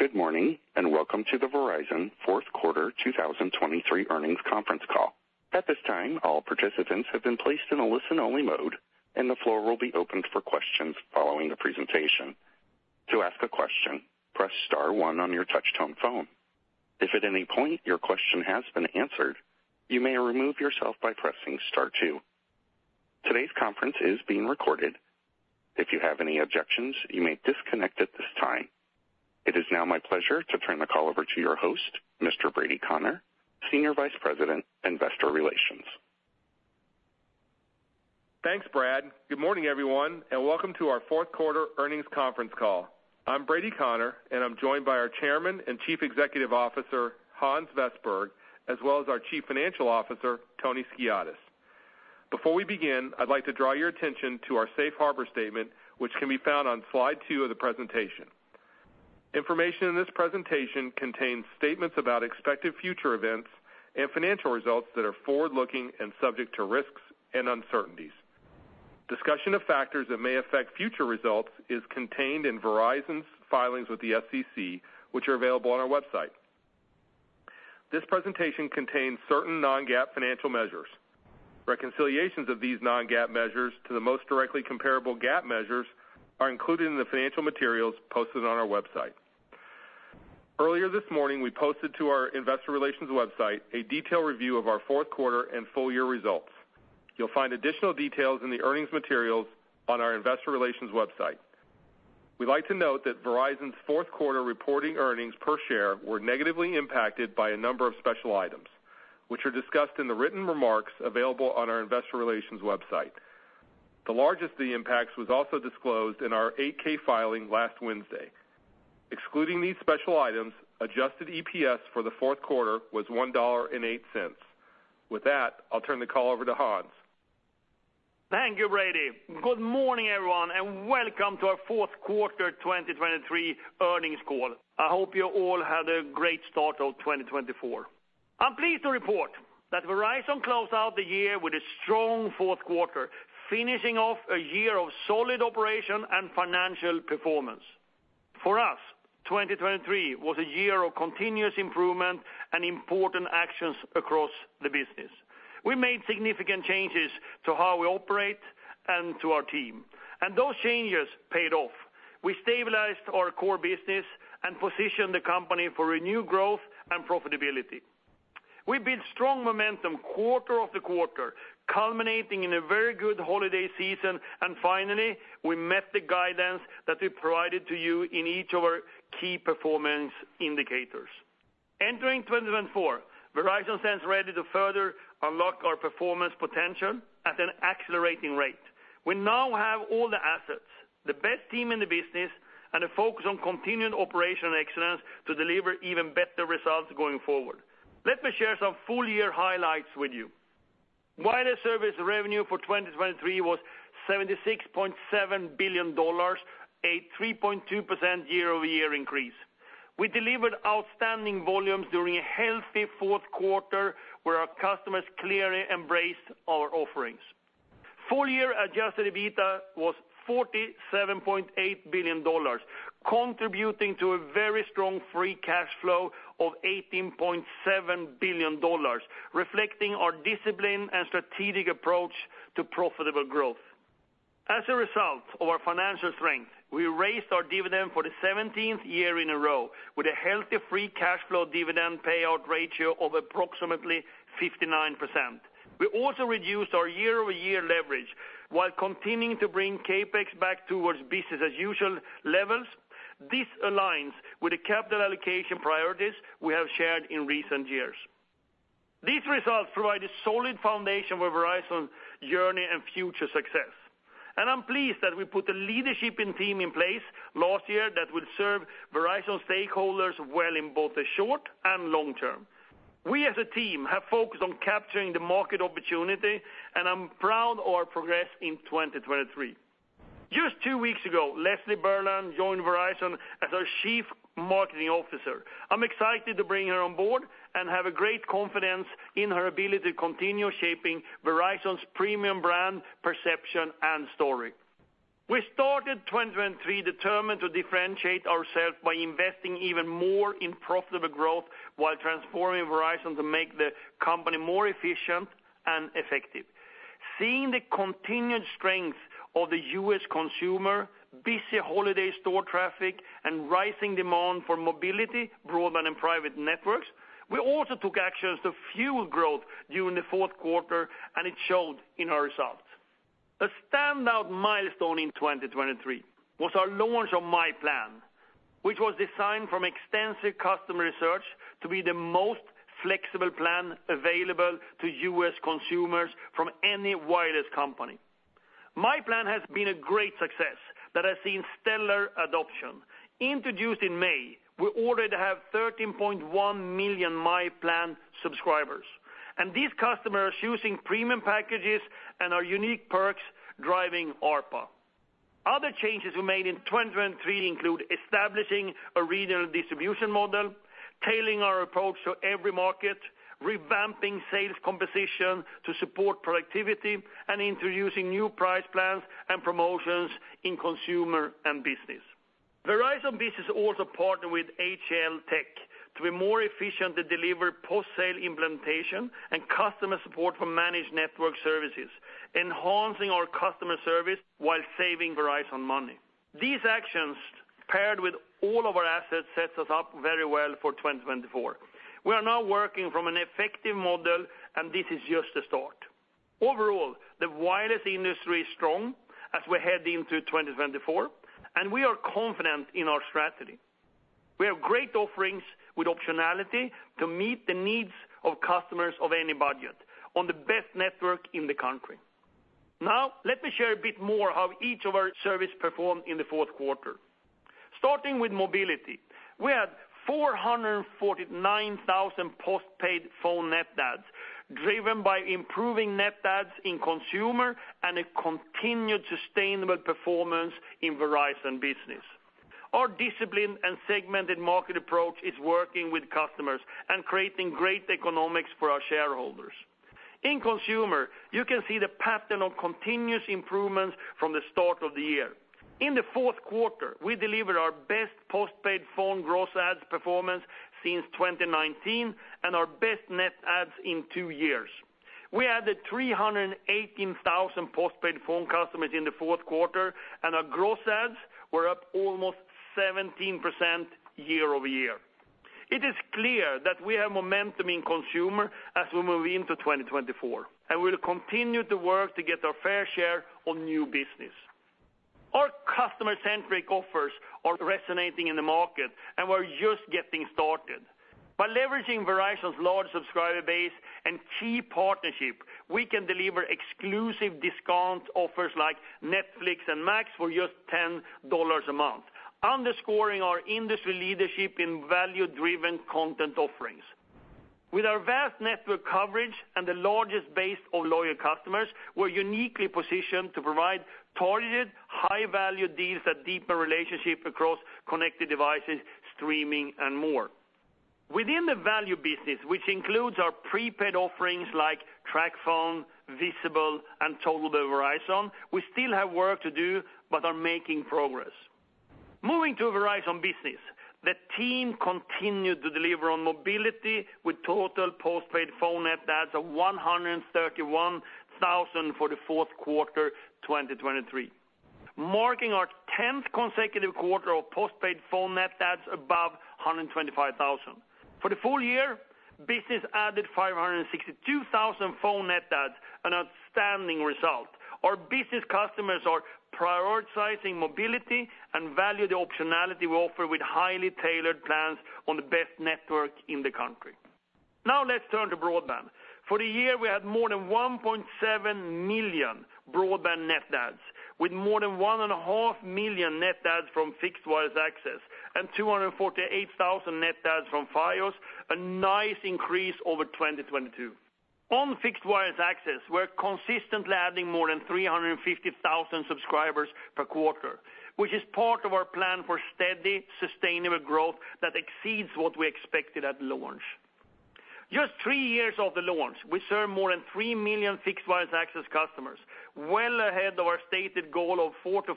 Good morning, and welcome to the Verizon fourth quarter 2023 earnings conference call. At this time, all participants have been placed in a listen-only mode, and the floor will be opened for questions following the presentation. To ask a question, press star one on your touchtone phone. If at any point your question has been answered, you may remove yourself by pressing star two. Today's conference is being recorded. If you have any objections, you may disconnect at this time. It is now my pleasure to turn the call over to your host, Mr. Brady Connor, Senior Vice President, Investor Relations. Thanks, Brad. Good morning, everyone, and welcome to our fourth quarter earnings conference call. I'm Brady Connor, and I'm joined by our Chairman and Chief Executive Officer, Hans Vestberg, as well as our Chief Financial Officer, Tony Skiadas. Before we begin, I'd like to draw your attention to our safe harbor statement, which can be found on slide 2 of the presentation. Information in this presentation contains statements about expected future events and financial results that are forward-looking and subject to risks and uncertainties. Discussion of factors that may affect future results is contained in Verizon's filings with the FCC, which are available on our website. This presentation contains certain non-GAAP financial measures. Reconciliations of these non-GAAP measures to the most directly comparable GAAP measures are included in the financial materials posted on our website. Earlier this morning, we posted to our investor relations website a detailed review of our fourth quarter and full year results. You'll find additional details in the earnings materials on our investor relations website. We'd like to note that Verizon's fourth quarter reporting earnings per share were negatively impacted by a number of special items, which are discussed in the written remarks available on our investor relations website. The largest of the impacts was also disclosed in our 8-K filing last Wednesday. Excluding these special items, adjusted EPS for the fourth quarter was $1.08. With that, I'll turn the call over to Hans. Thank you, Brady. Good morning, everyone, and welcome to our fourth quarter 2023 earnings call. I hope you all had a great start of 2024. I'm pleased to report that Verizon closed out the year with a strong fourth quarter, finishing off a year of solid operation and financial performance. For us, 2023 was a year of continuous improvement and important actions across the business. We made significant changes to how we operate and to our team, and those changes paid off. We stabilized our core business and positioned the company for renewed growth and profitability. We built strong momentum quarter over quarter, culminating in a very good holiday season, and finally, we met the guidance that we provided to you in each of our key performance indicators. Entering 2024, Verizon stands ready to further unlock our performance potential at an accelerating rate. We now have all the assets, the best team in the business, and a focus on continued operational excellence to deliver even better results going forward. Let me share some full year highlights with you. Wireless service revenue for 2023 was $76.7 billion, a 3.2% year-over-year increase. We delivered outstanding volumes during a healthy fourth quarter, where our customers clearly embraced our offerings. Full year adjusted EBITDA was $47.8 billion, contributing to a very strong free cash flow of $18.7 billion, reflecting our discipline and strategic approach to profitable growth. As a result of our financial strength, we raised our dividend for the 17th year in a row with a healthy free cash flow dividend payout ratio of approximately 59%. We also reduced our year-over-year leverage while continuing to bring CapEx back towards business as usual levels. This aligns with the capital allocation priorities we have shared in recent years. These results provide a solid foundation for Verizon's journey and future success, and I'm pleased that we put a leadership team in place last year that will serve Verizon stakeholders well in both the short and long term. We, as a team, have focused on capturing the market opportunity, and I'm proud of our progress in 2023. Just two weeks ago, Leslie Berland joined Verizon as our Chief Marketing Officer. I'm excited to bring her on board and have great confidence in her ability to continue shaping Verizon's premium brand, perception, and story. We started 2023 determined to differentiate ourselves by investing even more in profitable growth while transforming Verizon to make the company more efficient and effective. Seeing the continued strength of the U.S. consumer, busy holiday store traffic, and rising demand for mobility, broadband, and private networks, we also took actions to fuel growth during the fourth quarter, and it showed in our results. A standout milestone in 2023 was our launch of myPlan, which was designed from extensive customer research to be the most flexible plan available to U.S. consumers from any wireless company. myPlan has been a great success that has seen stellar adoption. Introduced in May, we already have 13.1 million myPlan subscribers, and these customers using premium packages and our unique perks, driving ARPA. Other changes we made in 2023 include establishing a regional distribution model.... Tailoring our approach to every market, revamping sales composition to support productivity, and introducing new price plans and promotions in consumer and business. Verizon Business also partnered with HCLTech to be more efficient to deliver post-sale implementation and customer support for managed network services, enhancing our customer service while saving Verizon money. These actions, paired with all of our assets, sets us up very well for 2024. We are now working from an effective model, and this is just the start. Overall, the wireless industry is strong as we head into 2024, and we are confident in our strategy. We have great offerings with optionality to meet the needs of customers of any budget on the best network in the country. Now, let me share a bit more how each of our service performed in the fourth quarter. Starting with mobility, we had 449,000 postpaid phone net adds, driven by improving net adds in consumer and a continued sustainable performance in Verizon Business. Our disciplined and segmented market approach is working with customers and creating great economics for our shareholders. In consumer, you can see the pattern of continuous improvements from the start of the year. In the fourth quarter, we delivered our best postpaid phone gross adds performance since 2019, and our best net adds in two years. We added 318,000 postpaid phone customers in the fourth quarter, and our gross adds were up almost 17% year-over-year. It is clear that we have momentum in consumer as we move into 2024, and we'll continue to work to get our fair share of new business. Our customer-centric offers are resonating in the market, and we're just getting started. By leveraging Verizon's large subscriber base and key partnership, we can deliver exclusive discount offers like Netflix and Max for just $10 a month, underscoring our industry leadership in value-driven content offerings. With our vast network coverage and the largest base of loyal customers, we're uniquely positioned to provide targeted, high-value deals that deepen relationship across connected devices, streaming, and more. Within the value business, which includes our prepaid offerings like TracFone, Visible, and Total by Verizon, we still have work to do, but are making progress. Moving to Verizon Business, the team continued to deliver on mobility with total postpaid phone net adds of 131,000 for the fourth quarter, 2023, marking our 10th consecutive quarter of postpaid phone net adds above 125,000. For the full year, business added 562,000 phone net adds, an outstanding result. Our business customers are prioritizing mobility and value the optionality we offer with highly tailored plans on the best network in the country. Now, let's turn to broadband. For the year, we had more than 1.7 million broadband net adds, with more than 1.5 million net adds from Fixed Wireless Access, and 248,000 net adds from Fios, a nice increase over 2022. On Fixed Wireless Access, we're consistently adding more than 350,000 subscribers per quarter, which is part of our plan for steady, sustainable growth that exceeds what we expected at launch. Just three years of the launch, we serve more than 3 million Fixed Wireless Access customers, well ahead of our stated goal of 4-5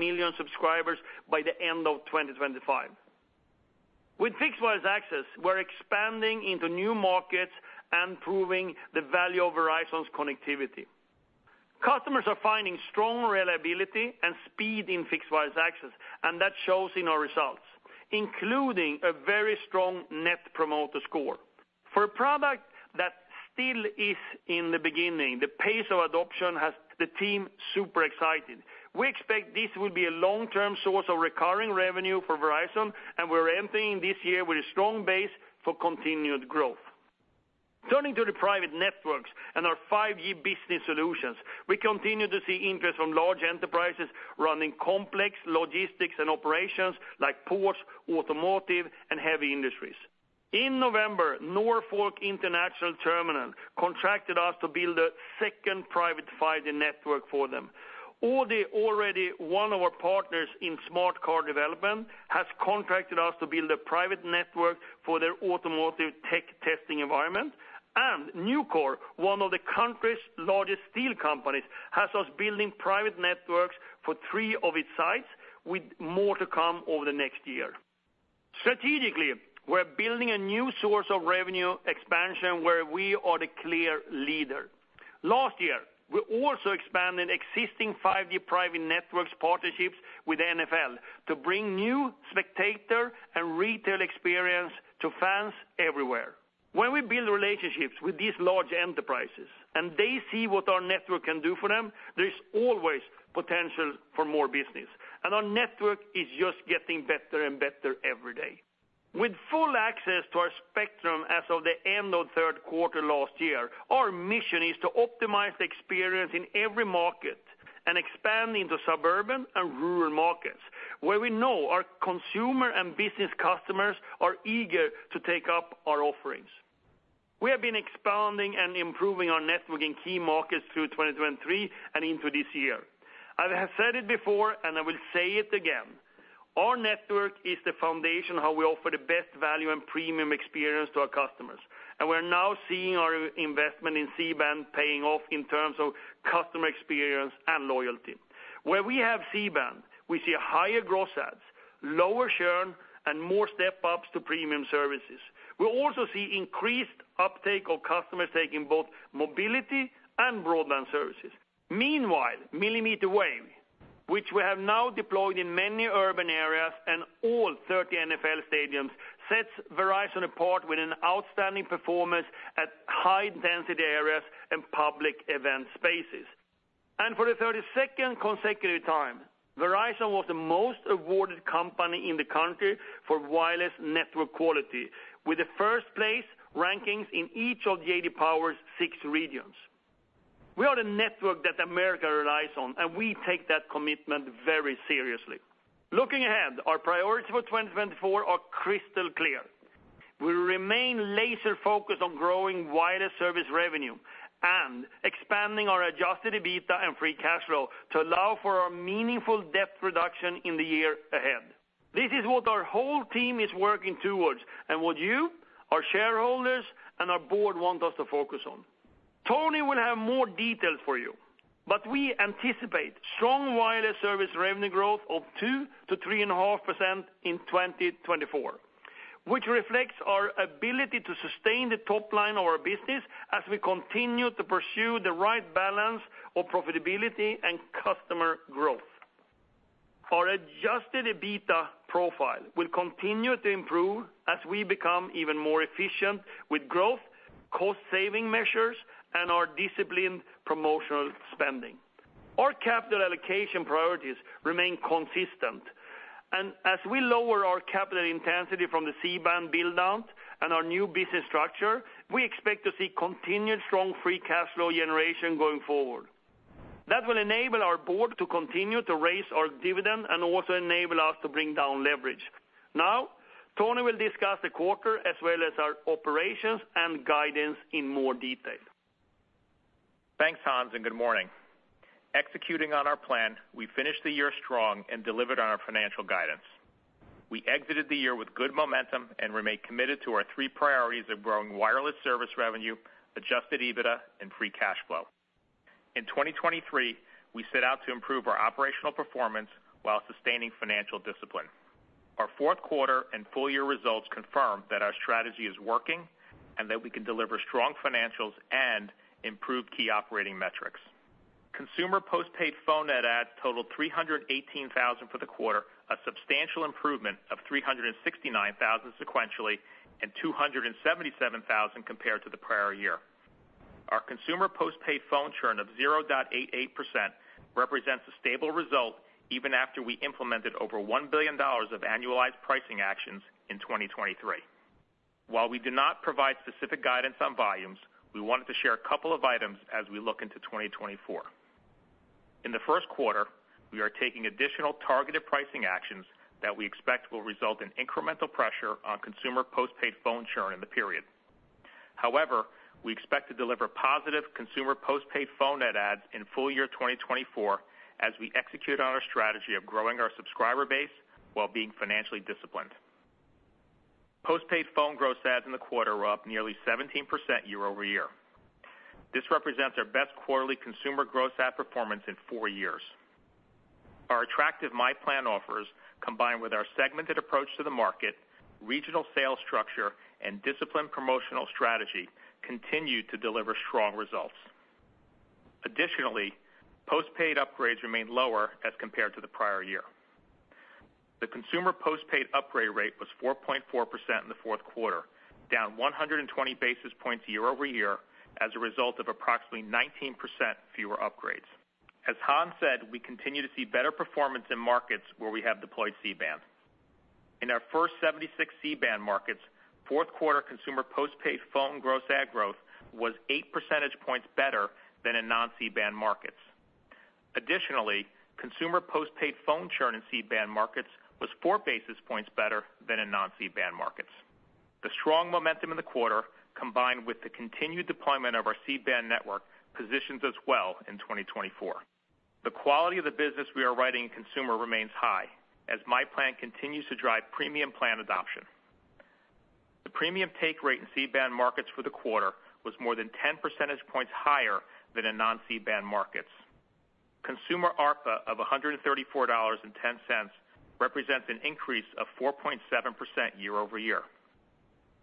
million subscribers by the end of 2025. With Fixed Wireless Access, we're expanding into new markets and proving the value of Verizon's connectivity. Customers are finding strong reliability and speed in Fixed Wireless Access, and that shows in our results, including a very strong Net Promoter Score. For a product that still is in the beginning, the pace of adoption has the team super excited. We expect this will be a long-term source of recurring revenue for Verizon, and we're ending this year with a strong base for continued growth. Turning to the private networks and our five-year business solutions, we continue to see interest from large enterprises running complex logistics and operations like ports, automotive, and heavy industries. In November, Norfolk International Terminal contracted us to build a second private 5G network for them. Audi, already one of our partners in smart car development, has contracted us to build a private network for their automotive tech testing environment. Nucor, one of the country's largest steel companies, has us building private networks for three of its sites, with more to come over the next year. Strategically, we're building a new source of revenue expansion where we are the clear leader. Last year, we also expanded existing 5G private networks partnerships with NFL to bring new spectator and retail experience to fans everywhere. When we build relationships with these large enterprises, and they see what our network can do for them, there is always potential for more business, and our network is just getting better and better every day. With full access to our spectrum as of the end of third quarter last year, our mission is to optimize the experience in every market and expand into suburban and rural markets, where we know our consumer and business customers are eager to take up our offerings. We have been expanding and improving our network in key markets through 2023 and into this year. I have said it before, and I will say it again, our network is the foundation of how we offer the best value and premium experience to our customers, and we're now seeing our investment in C-Band paying off in terms of customer experience and loyalty. Where we have C-Band, we see higher gross adds, lower churn, and more step-ups to premium services. We also see increased uptake of customers taking both mobility and broadband services. Meanwhile, millimeter wave, which we have now deployed in many urban areas and all 30 NFL stadiums, sets Verizon apart with an outstanding performance at high-density areas and public event spaces. For the 30th consecutive time, Verizon was the most awarded company in the country for wireless network quality, with the first-place rankings in each of the J.D. Power's six regions. We are the network that America relies on, and we take that commitment very seriously. Looking ahead, our priorities for 2024 are crystal clear. We remain laser-focused on growing wireless service revenue and expanding our adjusted EBITDA and free cash flow to allow for a meaningful debt reduction in the year ahead. This is what our whole team is working towards, and what you, our shareholders, and our board want us to focus on. Tony will have more details for you, but we anticipate strong wireless service revenue growth of 2%-3.5% in 2024, which reflects our ability to sustain the top line of our business as we continue to pursue the right balance of profitability and customer growth. Our adjusted EBITDA profile will continue to improve as we become even more efficient with growth, cost-saving measures, and our disciplined promotional spending. Our capital allocation priorities remain consistent, and as we lower our capital intensity from the C-Band build-out and our new business structure, we expect to see continued strong free cash flow generation going forward. That will enable our board to continue to raise our dividend and also enable us to bring down leverage. Now, Tony will discuss the quarter as well as our operations and guidance in more detail. Thanks, Hans, and good morning. Executing on our plan, we finished the year strong and delivered on our financial guidance. We exited the year with good momentum and remain committed to our three priorities of growing wireless service revenue, adjusted EBITDA, and free cash flow. In 2023, we set out to improve our operational performance while sustaining financial discipline. Our fourth quarter and full year results confirm that our strategy is working and that we can deliver strong financials and improve key operating metrics. Consumer postpaid phone net adds totaled 318,000 for the quarter, a substantial improvement of 369,000 sequentially and 277,000 compared to the prior year. Our consumer postpaid phone churn of 0.88% represents a stable result, even after we implemented over $1 billion of annualized pricing actions in 2023. While we did not provide specific guidance on volumes, we wanted to share a couple of items as we look into 2024. In the first quarter, we are taking additional targeted pricing actions that we expect will result in incremental pressure on consumer postpaid phone churn in the period. However, we expect to deliver positive consumer postpaid phone net adds in full year 2024, as we execute on our strategy of growing our subscriber base while being financially disciplined. Postpaid phone gross adds in the quarter were up nearly 17% year-over-year. This represents our best quarterly consumer gross add performance in 4 years. Our attractive myPlan offers, combined with our segmented approach to the market, regional sales structure, and disciplined promotional strategy, continued to deliver strong results. Additionally, postpaid upgrades remained lower as compared to the prior year. The consumer postpaid upgrade rate was 4.4% in the fourth quarter, down 120 basis points year-over-year, as a result of approximately 19% fewer upgrades. As Hans said, we continue to see better performance in markets where we have deployed C-Band. In our first 76 C-Band markets, fourth quarter consumer postpaid phone gross add growth was eight percentage points better than in non-C-Band markets. Additionally, consumer postpaid phone churn in C-Band markets was 4 basis points better than in non-C-Band markets. The strong momentum in the quarter, combined with the continued deployment of our C-Band network, positions us well in 2024. The quality of the business we are writing in consumer remains high, as myPlan continues to drive premium plan adoption. The premium take rate in C-Band markets for the quarter was more than 10 percentage points higher than in non-C-Band markets. Consumer ARPA of $134.10 represents an increase of 4.7% year-over-year.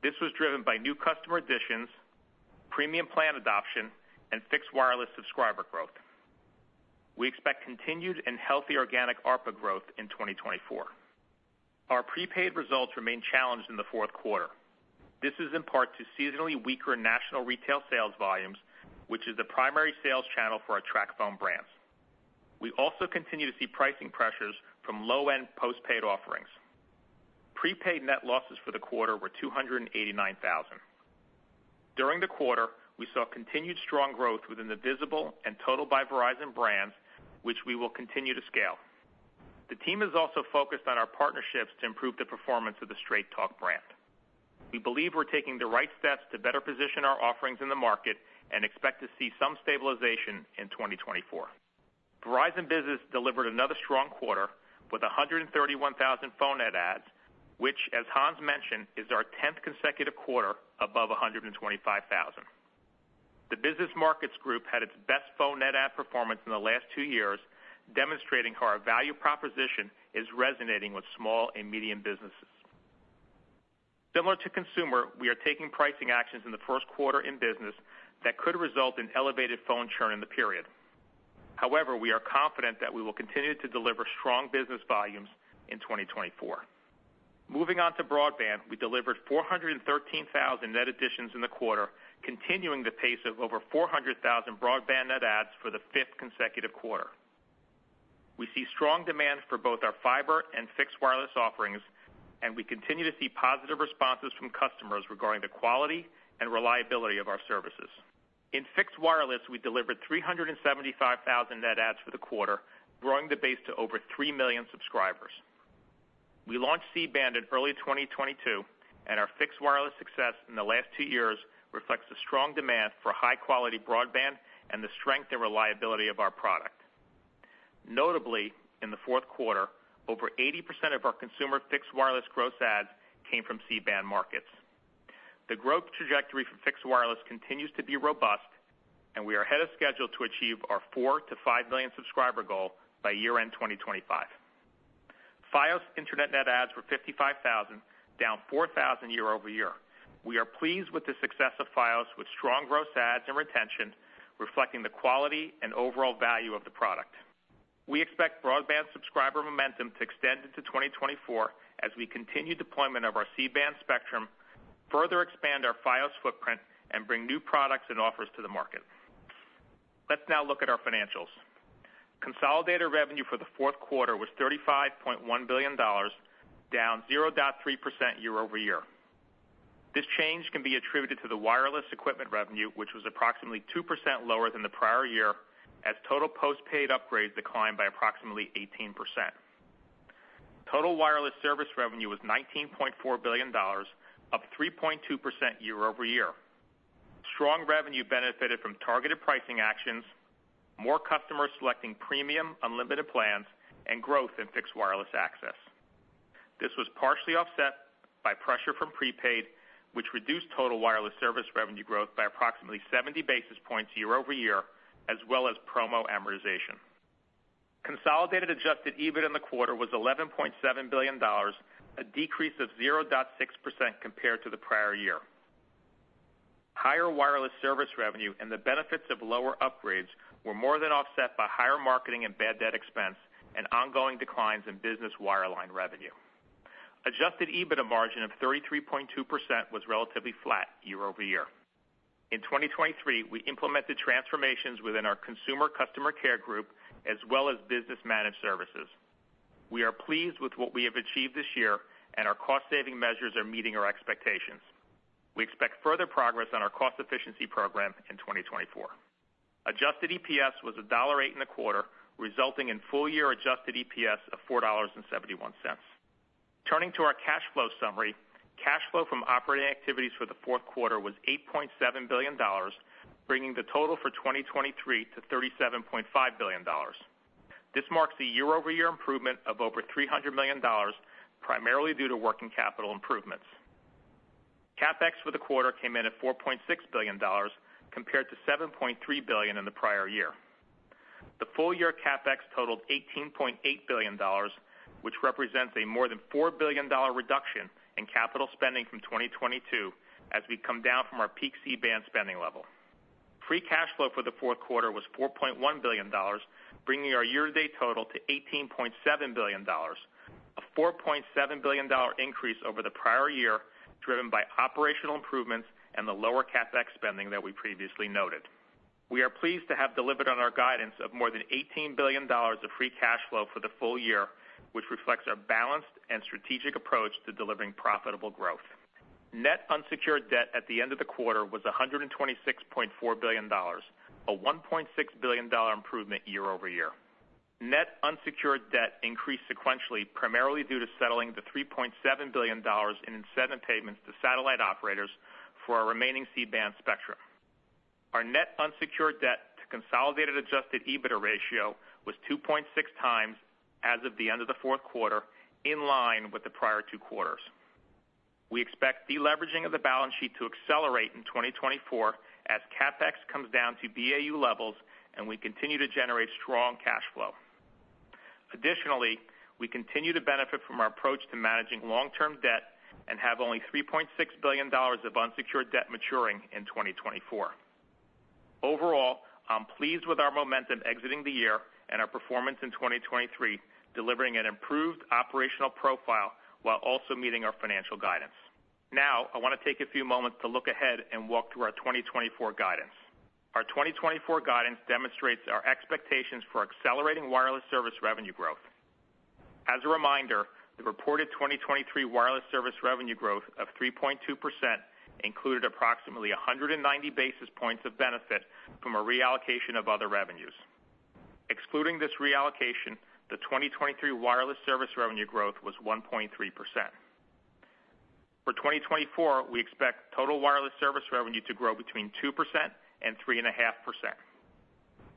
This was driven by new customer additions, premium plan adoption, and fixed wireless subscriber growth. We expect continued and healthy organic ARPA growth in 2024. Our prepaid results remained challenged in the fourth quarter. This is in part to seasonally weaker national retail sales volumes, which is the primary sales channel for our TracFone brands. We also continue to see pricing pressures from low-end postpaid offerings. Prepaid net losses for the quarter were 289,000. During the quarter, we saw continued strong growth within the Visible and Total by Verizon brands, which we will continue to scale. The team is also focused on our partnerships to improve the performance of the Straight Talk brand. We believe we're taking the right steps to better position our offerings in the market and expect to see some stabilization in 2024. Verizon Business delivered another strong quarter with 131,000 phone net adds, which, as Hans mentioned, is our tenth consecutive quarter above 125,000. The Business Markets Group had its best phone net add performance in the last two years, demonstrating how our value proposition is resonating with small and medium businesses. Similar to consumer, we are taking pricing actions in the first quarter in business that could result in elevated phone churn in the period. However, we are confident that we will continue to deliver strong business volumes in 2024. Moving on to broadband, we delivered 413,000 net additions in the quarter, continuing the pace of over 400,000 broadband net adds for the fifth consecutive quarter. We see strong demand for both our fiber and fixed wireless offerings, and we continue to see positive responses from customers regarding the quality and reliability of our services. In fixed wireless, we delivered 375,000 net adds for the quarter, growing the base to over 3 million subscribers. We launched C-Band in early 2022, and our fixed wireless success in the last two years reflects the strong demand for high-quality broadband and the strength and reliability of our product. Notably, in the fourth quarter, over 80% of our consumer fixed wireless gross adds came from C-Band markets. The growth trajectory for fixed wireless continues to be robust, and we are ahead of schedule to achieve our 4-5 million subscriber goal by year-end 2025. Fios Internet net adds were 55,000, down 4,000 year-over-year. We are pleased with the success of Fios, with strong gross adds and retention, reflecting the quality and overall value of the product. We expect broadband subscriber momentum to extend into 2024 as we continue deployment of our C-Band spectrum, further expand our Fios footprint, and bring new products and offers to the market. Let's now look at our financials. Consolidated revenue for the fourth quarter was $35.1 billion, down 0.3% year-over-year. This change can be attributed to the wireless equipment revenue, which was approximately 2% lower than the prior year, as total postpaid upgrades declined by approximately 18%. Total wireless service revenue was $19.4 billion, up 3.2% year-over-year. Strong revenue benefited from targeted pricing actions, more customers selecting premium unlimited plans, and growth in Fixed Wireless Access. This was partially offset by pressure from prepaid, which reduced total wireless service revenue growth by approximately 70 basis points year-over-year, as well as promo amortization. Consolidated adjusted EBIT in the quarter was $11.7 billion, a decrease of 0.6% compared to the prior year. Higher wireless service revenue and the benefits of lower upgrades were more than offset by higher marketing and bad debt expense and ongoing declines in business wireline revenue. Adjusted EBITDA margin of 33.2% was relatively flat year over year. In 2023, we implemented transformations within our consumer customer care group as well as business managed services. We are pleased with what we have achieved this year, and our cost-saving measures are meeting our expectations. We expect further progress on our cost efficiency program in 2024. Adjusted EPS was $1.08 in the quarter, resulting in full-year adjusted EPS of $4.71. Turning to our cash flow summary, cash flow from operating activities for the fourth quarter was $8.7 billion, bringing the total for 2023 to $37.5 billion. This marks a year-over-year improvement of over $300 million, primarily due to working capital improvements. CapEx for the quarter came in at $4.6 billion, compared to $7.3 billion in the prior year. The full-year CapEx totaled $18.8 billion, which represents a more than $4 billion reduction in capital spending from 2022 as we come down from our peak C-Band spending level. Free cash flow for the fourth quarter was $4.1 billion, bringing our year-to-date total to $18.7 billion, a $4.7 billion increase over the prior year, driven by operational improvements and the lower CapEx spending that we previously noted. We are pleased to have delivered on our guidance of more than $18 billion of free cash flow for the full year, which reflects our balanced and strategic approach to delivering profitable growth. Net unsecured debt at the end of the quarter was $126.4 billion, a $1.6 billion improvement year-over-year. Net unsecured debt increased sequentially, primarily due to settling the $3.7 billion in incentive payments to satellite operators for our remaining C-Band spectrum. Our net unsecured debt to consolidated adjusted EBITDA ratio was 2.6 times as of the end of the fourth quarter, in line with the prior two quarters. We expect deleveraging of the balance sheet to accelerate in 2024 as CapEx comes down to BAU levels, and we continue to generate strong cash flow. Additionally, we continue to benefit from our approach to managing long-term debt and have only $3.6 billion of unsecured debt maturing in 2024. Overall, I'm pleased with our momentum exiting the year and our performance in 2023, delivering an improved operational profile while also meeting our financial guidance. Now, I want to take a few moments to look ahead and walk through our 2024 guidance. Our 2024 guidance demonstrates our expectations for accelerating wireless service revenue growth. As a reminder, the reported 2023 wireless service revenue growth of 3.2% included approximately 190 basis points of benefit from a reallocation of other revenues. Excluding this reallocation, the 2023 wireless service revenue growth was 1.3%. For 2024, we expect total wireless service revenue to grow between 2% and 3.5%.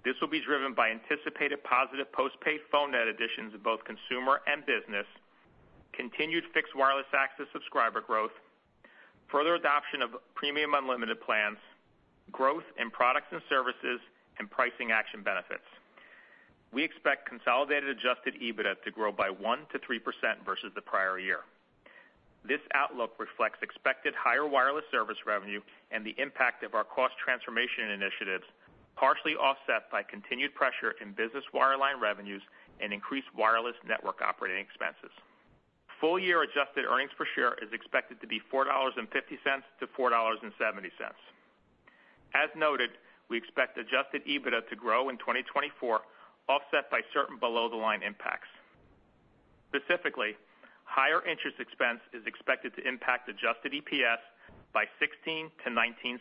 This will be driven by anticipated positive postpaid phone net additions in both consumer and business, continued Fixed Wireless Access subscriber growth, further adoption of premium unlimited plans, growth in products and services, and pricing action benefits. We expect consolidated adjusted EBITDA to grow by 1%-3% versus the prior year. This outlook reflects expected higher wireless service revenue and the impact of our cost transformation initiatives, partially offset by continued pressure in business wireline revenues and increased wireless network operating expenses. Full-year adjusted earnings per share is expected to be $4.50-$4.70. As noted, we expect adjusted EBITDA to grow in 2024, offset by certain below-the-line impacts. Specifically, higher interest expense is expected to impact adjusted EPS by $0.16-$0.19,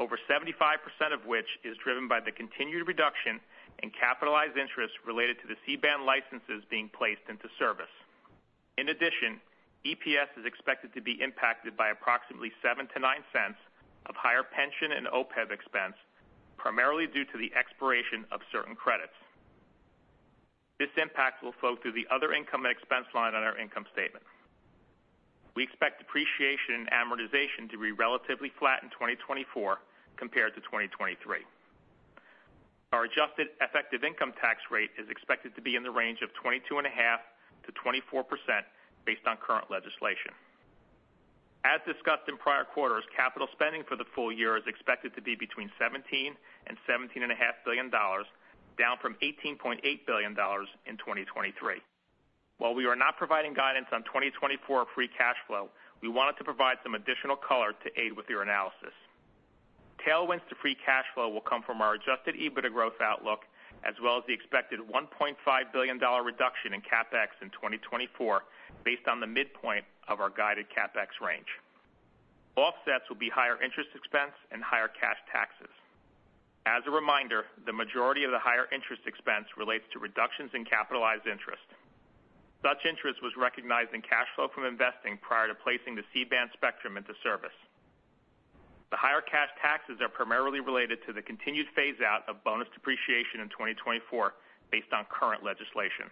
over 75% of which is driven by the continued reduction in capitalized interest related to the C-Band licenses being placed into service. In addition, EPS is expected to be impacted by approximately $0.07-$0.09 of higher pension and OPEB expense, primarily due to the expiration of certain credits. This impact will flow through the other income and expense line on our income statement. We expect depreciation and amortization to be relatively flat in 2024 compared to 2023. Our adjusted effective income tax rate is expected to be in the range of 22.5%-24% based on current legislation. As discussed in prior quarters, capital spending for the full year is expected to be between $17 billion and $17.5 billion, down from $18.8 billion in 2023. While we are not providing guidance on 2024 free cash flow, we wanted to provide some additional color to aid with your analysis. Tailwinds to free cash flow will come from our adjusted EBITDA growth outlook, as well as the expected $1.5 billion reduction in CapEx in 2024, based on the midpoint of our guided CapEx range. Offsets will be higher interest expense and higher cash taxes. As a reminder, the majority of the higher interest expense relates to reductions in capitalized interest. Such interest was recognized in cash flow from investing prior to placing the C-Band spectrum into service. The higher cash taxes are primarily related to the continued phaseout of bonus depreciation in 2024, based on current legislation.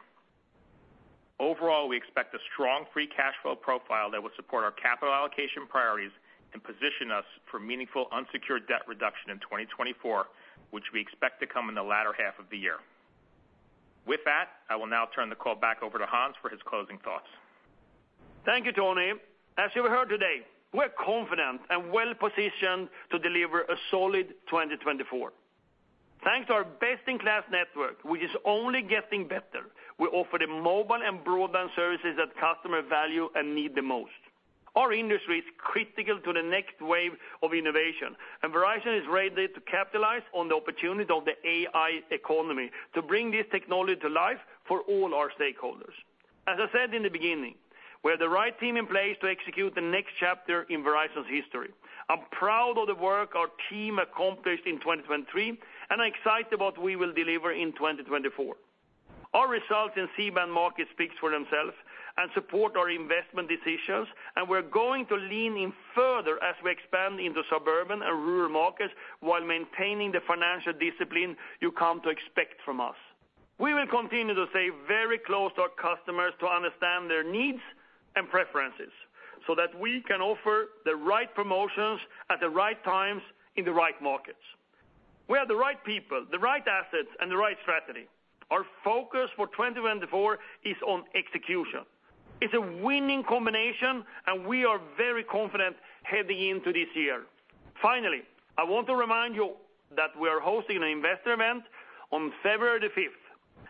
Overall, we expect a strong free cash flow profile that will support our capital allocation priorities and position us for meaningful unsecured debt reduction in 2024, which we expect to come in the latter half of the year. With that, I will now turn the call back over to Hans for his closing thoughts. Thank you, Tony. As you heard today, we're confident and well positioned to deliver a solid 2024. Thanks to our best-in-class network, which is only getting better, we offer the mobile and broadband services that customers value and need the most. Our industry is critical to the next wave of innovation, and Verizon is ready to capitalize on the opportunity of the AI economy to bring this technology to life for all our stakeholders. As I said in the beginning, we have the right team in place to execute the next chapter in Verizon's history. I'm proud of the work our team accomplished in 2023, and I'm excited what we will deliver in 2024. Our results in C-Band market speak for themselves and support our investment decisions, and we're going to lean in further as we expand into suburban and rural markets while maintaining the financial discipline you've come to expect from us. We will continue to stay very close to our customers to understand their needs and preferences, so that we can offer the right promotions at the right times in the right markets. We have the right people, the right assets, and the right strategy. Our focus for 2024 is on execution. It's a winning combination, and we are very confident heading into this year. Finally, I want to remind you that we are hosting an investor event on February 5,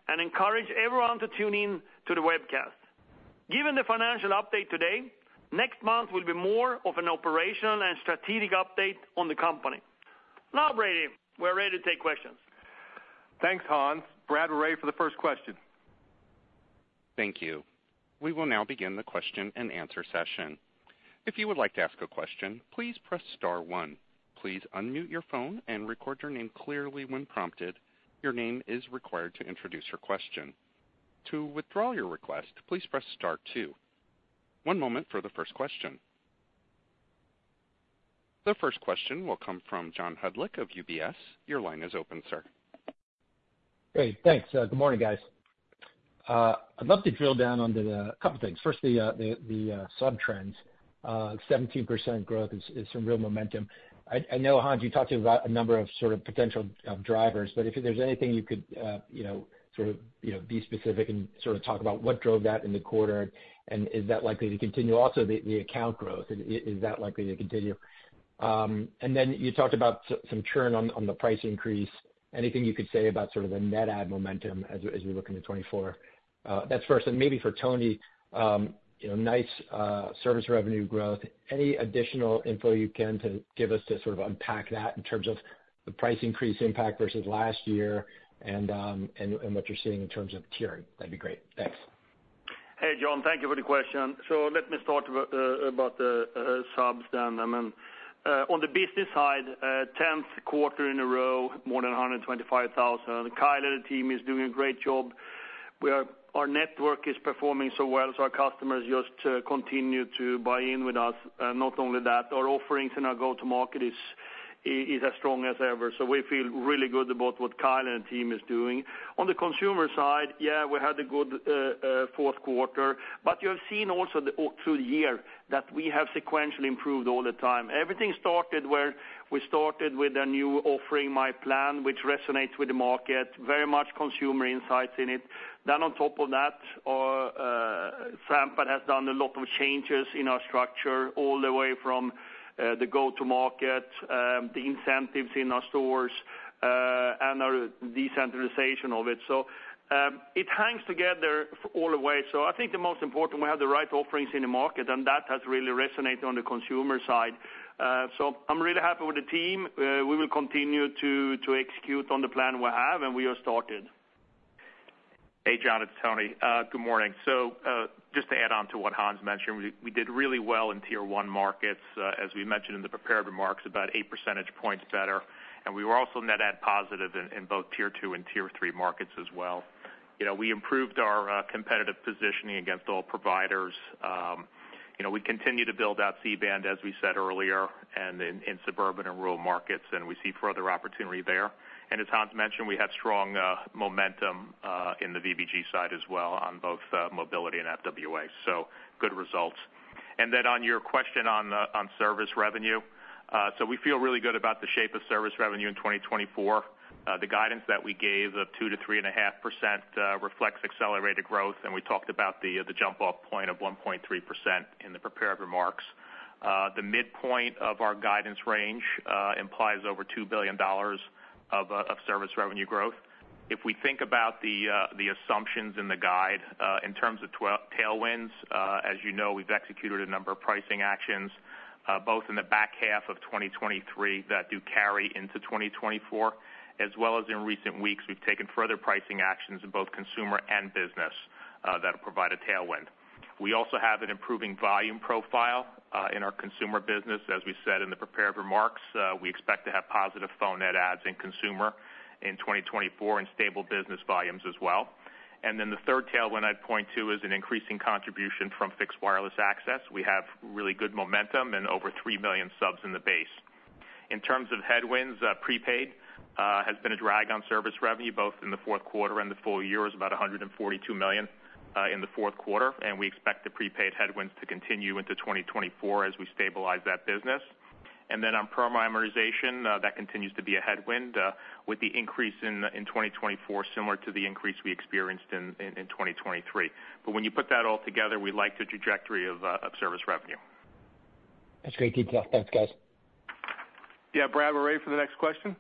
and encourage everyone to tune in to the webcast. Given the financial update today, next month will be more of an operational and strategic update on the company. Now, Brady, we're ready to take questions. Thanks, Hans. Brad, we're ready for the first question. Thank you. We will now begin the question-and-answer session. If you would like to ask a question, please press star one. Please unmute your phone and record your name clearly when prompted. Your name is required to introduce your question. To withdraw your request, please press star two. One moment for the first question. The first question will come from John Hodulik of UBS. Your line is open, sir. Great. Thanks. Good morning, guys. I'd love to drill down on the couple things. First, the sub-trends. 17% growth is some real momentum. I know, Hans, you talked about a number of sort of potential drivers, but if there's anything you could, you know, sort of, you know, be specific and sort of talk about what drove that in the quarter, and is that likely to continue? Also, the account growth, is that likely to continue? And then you talked about some churn on the price increase. Anything you could say about sort of the net add momentum as we look into 2024? That's first, and maybe for Tony, you know, nice service revenue growth. Any additional info you can to give us to sort of unpack that in terms of the price increase impact versus last year and what you're seeing in terms of churn? That'd be great. Thanks.... Hey, John, thank you for the question. So let me start about the subs then. I mean, on the business side, a tenth quarter in a row, more than 125,000. Kyle and the team is doing a great job. Our network is performing so well, so our customers just continue to buy in with us. Not only that, our offerings in our go-to-market is as strong as ever. So we feel really good about what Kyle and the team is doing. On the consumer side, yeah, we had a good fourth quarter, but you have seen also all through the year that we have sequentially improved all the time. Everything started where we started with a new offering, myPlan, which resonates with the market, very much consumer insights in it. Then on top of that, our Sampath has done a lot of changes in our structure, all the way from the go-to-market, the incentives in our stores, and our decentralization of it. So, it hangs together all the way. So I think the most important, we have the right offerings in the market, and that has really resonated on the consumer side. So I'm really happy with the team. We will continue to execute on the plan we have, and we are started. Hey, John, it's Tony. Good morning. So, just to add on to what Hans mentioned, we did really well in Tier 1 markets. As we mentioned in the prepared remarks, about eight percentage points better, and we were also net add positive in both Tier 2 and Tier 3 markets as well. You know, we improved our competitive positioning against all providers. You know, we continue to build out C-Band, as we said earlier, and in suburban and rural markets, and we see further opportunity there. And as Hans mentioned, we had strong momentum in the VBG side as well on both mobility and FWA, so good results. And then on your question on service revenue, so we feel really good about the shape of service revenue in 2024. The guidance that we gave of 2%-3.5% reflects accelerated growth, and we talked about the jump-off point of 1.3% in the prepared remarks. The midpoint of our guidance range implies over $2 billion of service revenue growth. If we think about the assumptions in the guide in terms of tailwinds, as you know, we've executed a number of pricing actions both in the back half of 2023 that do carry into 2024, as well as in recent weeks, we've taken further pricing actions in both consumer and business that'll provide a tailwind. We also have an improving volume profile in our consumer business. As we said in the prepared remarks, we expect to have positive phone net adds in consumer in 2024 and stable business volumes as well. And then the third tailwind I'd point to is an increasing contribution from Fixed Wireless Access. We have really good momentum and over 3 million subs in the base. In terms of headwinds, prepaid has been a drag on service revenue, both in the fourth quarter and the full year, is about $142 million in the fourth quarter, and we expect the prepaid headwinds to continue into 2024 as we stabilize that business. And then on parameterization, that continues to be a headwind, with the increase in 2024, similar to the increase we experienced in 2023. But when you put that all together, we like the trajectory of service revenue. That's great detail. Thanks, guys. Yeah, Brad, we're ready for the next question.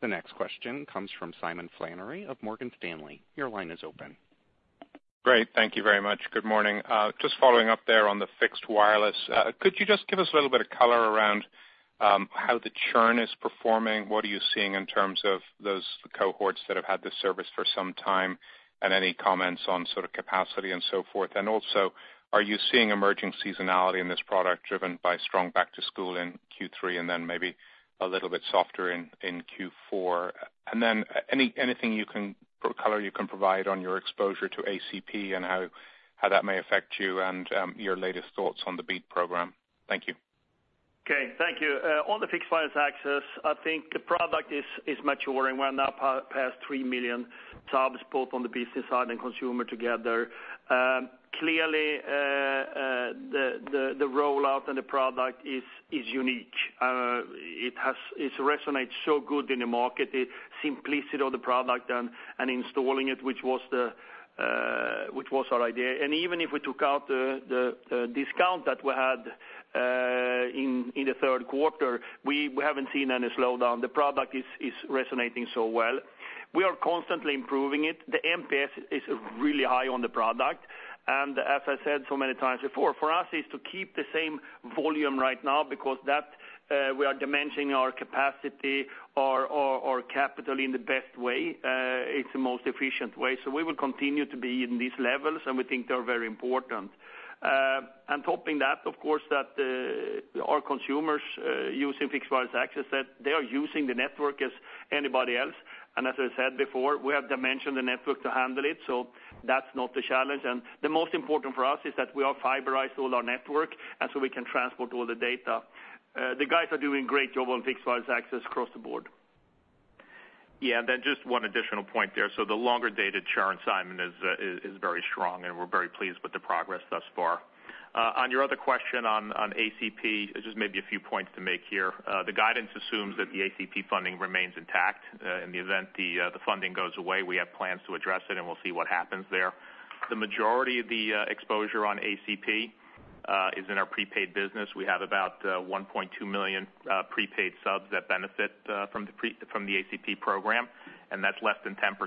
The next question comes from Simon Flannery of Morgan Stanley. Your line is open. Great. Thank you very much. Good morning. Just following up there on the fixed wireless, could you just give us a little bit of color around how the churn is performing? What are you seeing in terms of those cohorts that have had this service for some time? And any comments on sort of capacity and so forth. And also, are you seeing emerging seasonality in this product, driven by strong back to school in Q3 and then maybe a little bit softer in Q4? And then any color you can provide on your exposure to ACP and how that may affect you, and your latest thoughts on the BEAD program? Thank you. Okay, thank you. On the Fixed Wireless Access, I think the product is maturing. We're now past 3 million subs, both on the business side and consumer together. Clearly, the rollout and the product is unique. It resonates so good in the market, the simplicity of the product and installing it, which was our idea. And even if we took out the discount that we had in the third quarter, we haven't seen any slowdown. The product is resonating so well. We are constantly improving it. The NPS is really high on the product, and as I said so many times before, for us, it's to keep the same volume right now because that, we are dimensioning our capacity, our capital in the best way, it's the most efficient way. So we will continue to be in these levels, and we think they're very important. And topping that, of course, that, our consumers using Fixed Wireless Access, that they are using the network as anybody else. And as I said before, we have dimensioned the network to handle it, so that's not the challenge. And the most important for us is that we are fiberized all our network, and so we can transport all the data. The guys are doing a great job on Fixed Wireless Access across the board. Yeah, and then just one additional point there. So the longer-dated churn, Simon, is very strong, and we're very pleased with the progress thus far. On your other question on ACP, just maybe a few points to make here. The guidance assumes that the ACP funding remains intact. In the event the funding goes away, we have plans to address it, and we'll see what happens there. The majority of the exposure on ACP is in our prepaid business. We have about 1.2 million prepaid subs that benefit from the ACP program, and that's less than 10%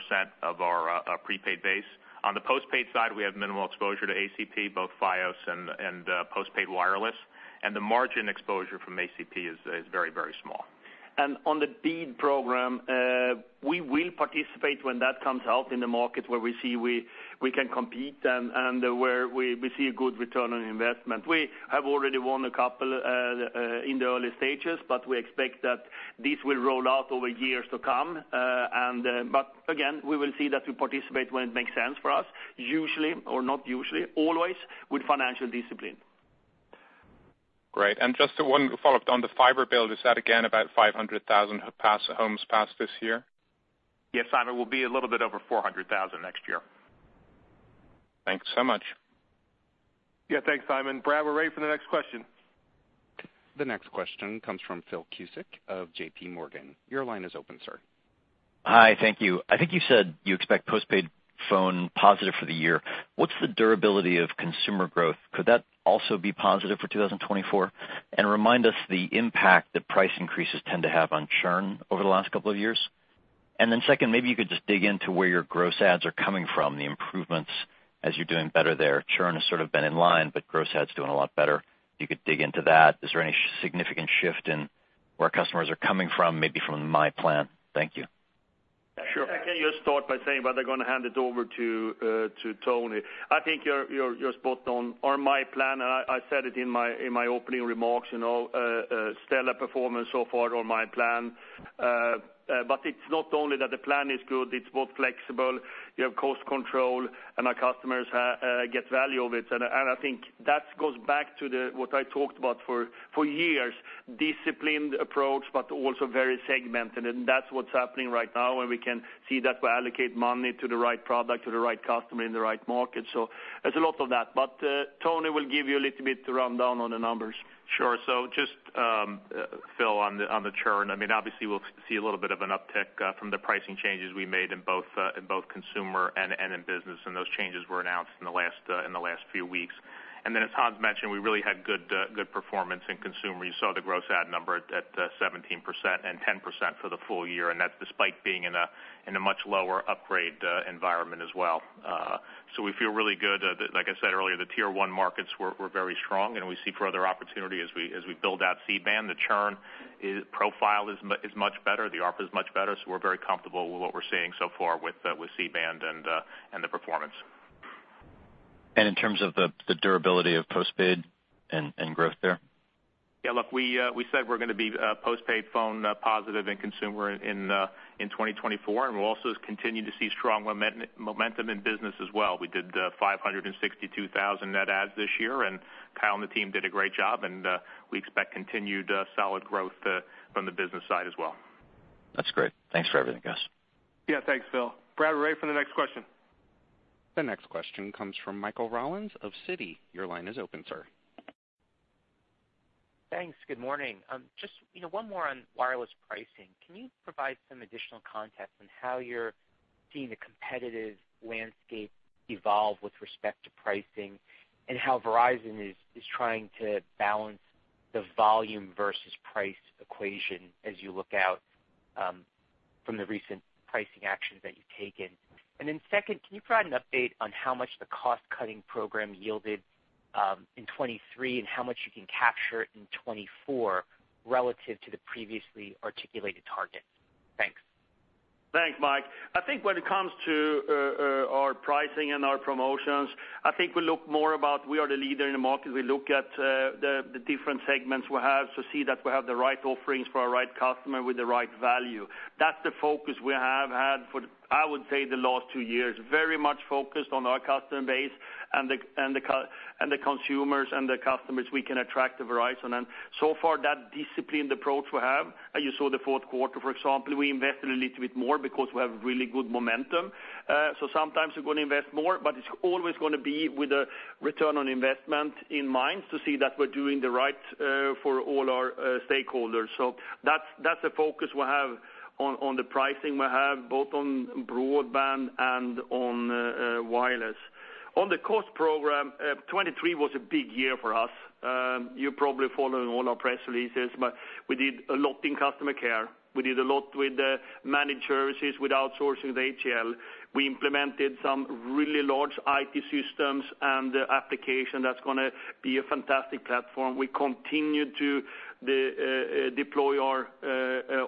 of our prepaid base. On the postpaid side, we have minimal exposure to ACP, both Fios and postpaid wireless. The margin exposure from ACP is very, very small.... And on the BEAD program, we will participate when that comes out in the market where we see we can compete and where we see a good return on investment. We have already won a couple in the early stages, but we expect that this will roll out over years to come, but again, we will see that we participate when it makes sense for us, usually, or not usually, always with financial discipline. Great. Just one follow-up on the fiber build. Is that again, about 500,000 passed, homes passed this year? Yes, Simon, it will be a little bit over 400,000 next year. Thanks so much. Yeah, thanks, Simon. Brad, we're ready for the next question. The next question comes from Phil Cusick of JPMorgan. Your line is open, sir. Hi, thank you. I think you said you expect postpaid phone positive for the year. What's the durability of consumer growth? Could that also be positive for 2024? And remind us the impact that price increases tend to have on churn over the last couple of years. And then second, maybe you could just dig into where your gross adds are coming from, the improvements as you're doing better there. Churn has sort of been in line, but gross adds doing a lot better. If you could dig into that. Is there any significant shift in where customers are coming from, maybe from myPlan? Thank you. Sure. I can just start by saying, but I'm going to hand it over to Tony. I think you're spot on. On myPlan, and I said it in my opening remarks, you know, stellar performance so far on myPlan. But it's not only that the plan is good, it's both flexible, you have cost control, and our customers have get value of it. And I think that goes back to the what I talked about for years, disciplined approach, but also very segmented. And that's what's happening right now, and we can see that we allocate money to the right product, to the right customer, in the right market. So there's a lot of that, but Tony will give you a little bit to run down on the numbers. Sure. So just, Phil, on the churn, I mean, obviously, we'll see a little bit of an uptick from the pricing changes we made in both consumer and business, and those changes were announced in the last few weeks. And then, as Hans mentioned, we really had good performance in consumer. You saw the gross add number at 17% and 10% for the full year, and that's despite being in a much lower upgrade environment as well. So we feel really good. Like I said earlier, the Tier 1 markets were very strong, and we see further opportunity as we build out C-Band. The churn is... Profile is much better, the ARPA is much better, so we're very comfortable with what we're seeing so far with C-Band and the performance. In terms of the durability of postpaid and growth there? Yeah, look, we said we're going to be postpaid phone positive in consumer in 2024, and we'll also continue to see strong momentum in business as well. We did 562,000 Net Adds this year, and Kyle and the team did a great job, and we expect continued solid growth from the business side as well. That's great. Thanks for everything, guys. Yeah, thanks, Phil. Brad, we're ready for the next question. The next question comes from Michael Rollins of Citi. Your line is open, sir. Thanks. Good morning. Just, you know, one more on wireless pricing. Can you provide some additional context on how you're seeing the competitive landscape evolve with respect to pricing, and how Verizon is trying to balance the volume versus price equation as you look out from the recent pricing actions that you've taken? And then second, can you provide an update on how much the cost-cutting program yielded in 2023, and how much you can capture it in 2024 relative to the previously articulated targets? Thanks. Thanks, Mike. I think when it comes to our pricing and our promotions, I think we look more about we are the leader in the market. We look at the different segments we have to see that we have the right offerings for our right customer with the right value. That's the focus we have had for, I would say, the last two years. Very much focused on our customer base and the consumers and the customers we can attract to Verizon. And so far, that disciplined approach we have, and you saw the fourth quarter, for example, we invested a little bit more because we have really good momentum. So sometimes we're going to invest more, but it's always going to be with a return on investment in mind to see that we're doing the right for all our stakeholders. So that's the focus we have on the pricing we have, both on broadband and on wireless. On the cost program, 2023 was a big year for us. You're probably following all our press releases, but we did a lot in customer care. We did a lot with the managed services, with outsourcing, with HCL. We implemented some really large IT systems and application that's gonna be a fantastic platform. We continued to deploy our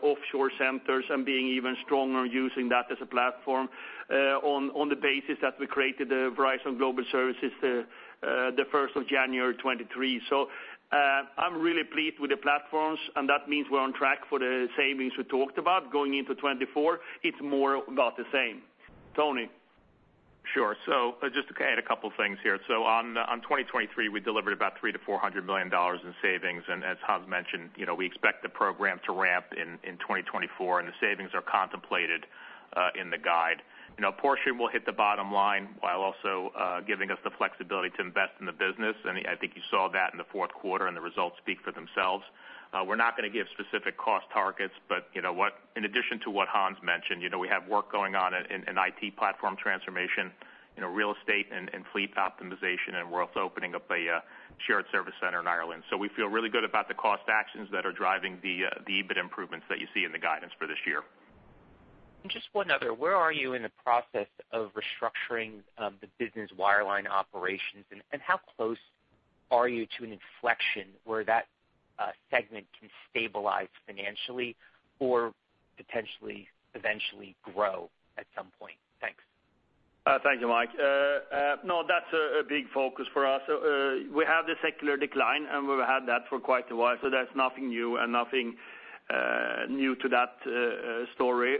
offshore centers and being even stronger using that as a platform, on the basis that we created the Verizon Global Services, the first of January 2023. So, I'm really pleased with the platforms, and that means we're on track for the savings we talked about. Going into 2024, it's more about the same. Tony? Sure. So just to add a couple of things here. So on 2023, we delivered about $300 million-$400 million in savings, and as Hans mentioned, you know, we expect the program to ramp in 2024, and the savings are contemplated in the guide. You know, a portion will hit the bottom line, while also giving us the flexibility to invest in the business. And I think you saw that in the fourth quarter, and the results speak for themselves. We're not going to give specific cost targets, but you know what, in addition to what Hans mentioned, you know, we have work going on in IT platform transformation, you know, real estate and fleet optimization, and we're also opening up a shared service center in Ireland. So we feel really good about the cost actions that are driving the EBIT improvements that you see in the guidance for this year. Just one other, where are you in the process of restructuring the business wireline operations? And how close are you to an inflection where that segment can stabilize financially or potentially eventually grow at some point? Thanks. Thank you, Mike. No, that's a big focus for us. We have the secular decline, and we've had that for quite a while, so that's nothing new and nothing new to that story.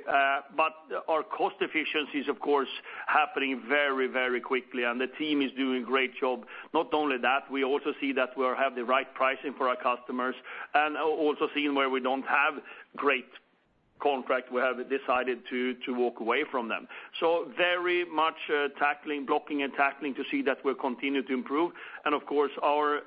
But our cost efficiency is, of course, happening very, very quickly, and the team is doing a great job. Not only that, we also see that we have the right pricing for our customers and also seeing where we don't have great contract, we have decided to walk away from them. So very much tackling, blocking and tackling to see that we're continuing to improve. And of course, our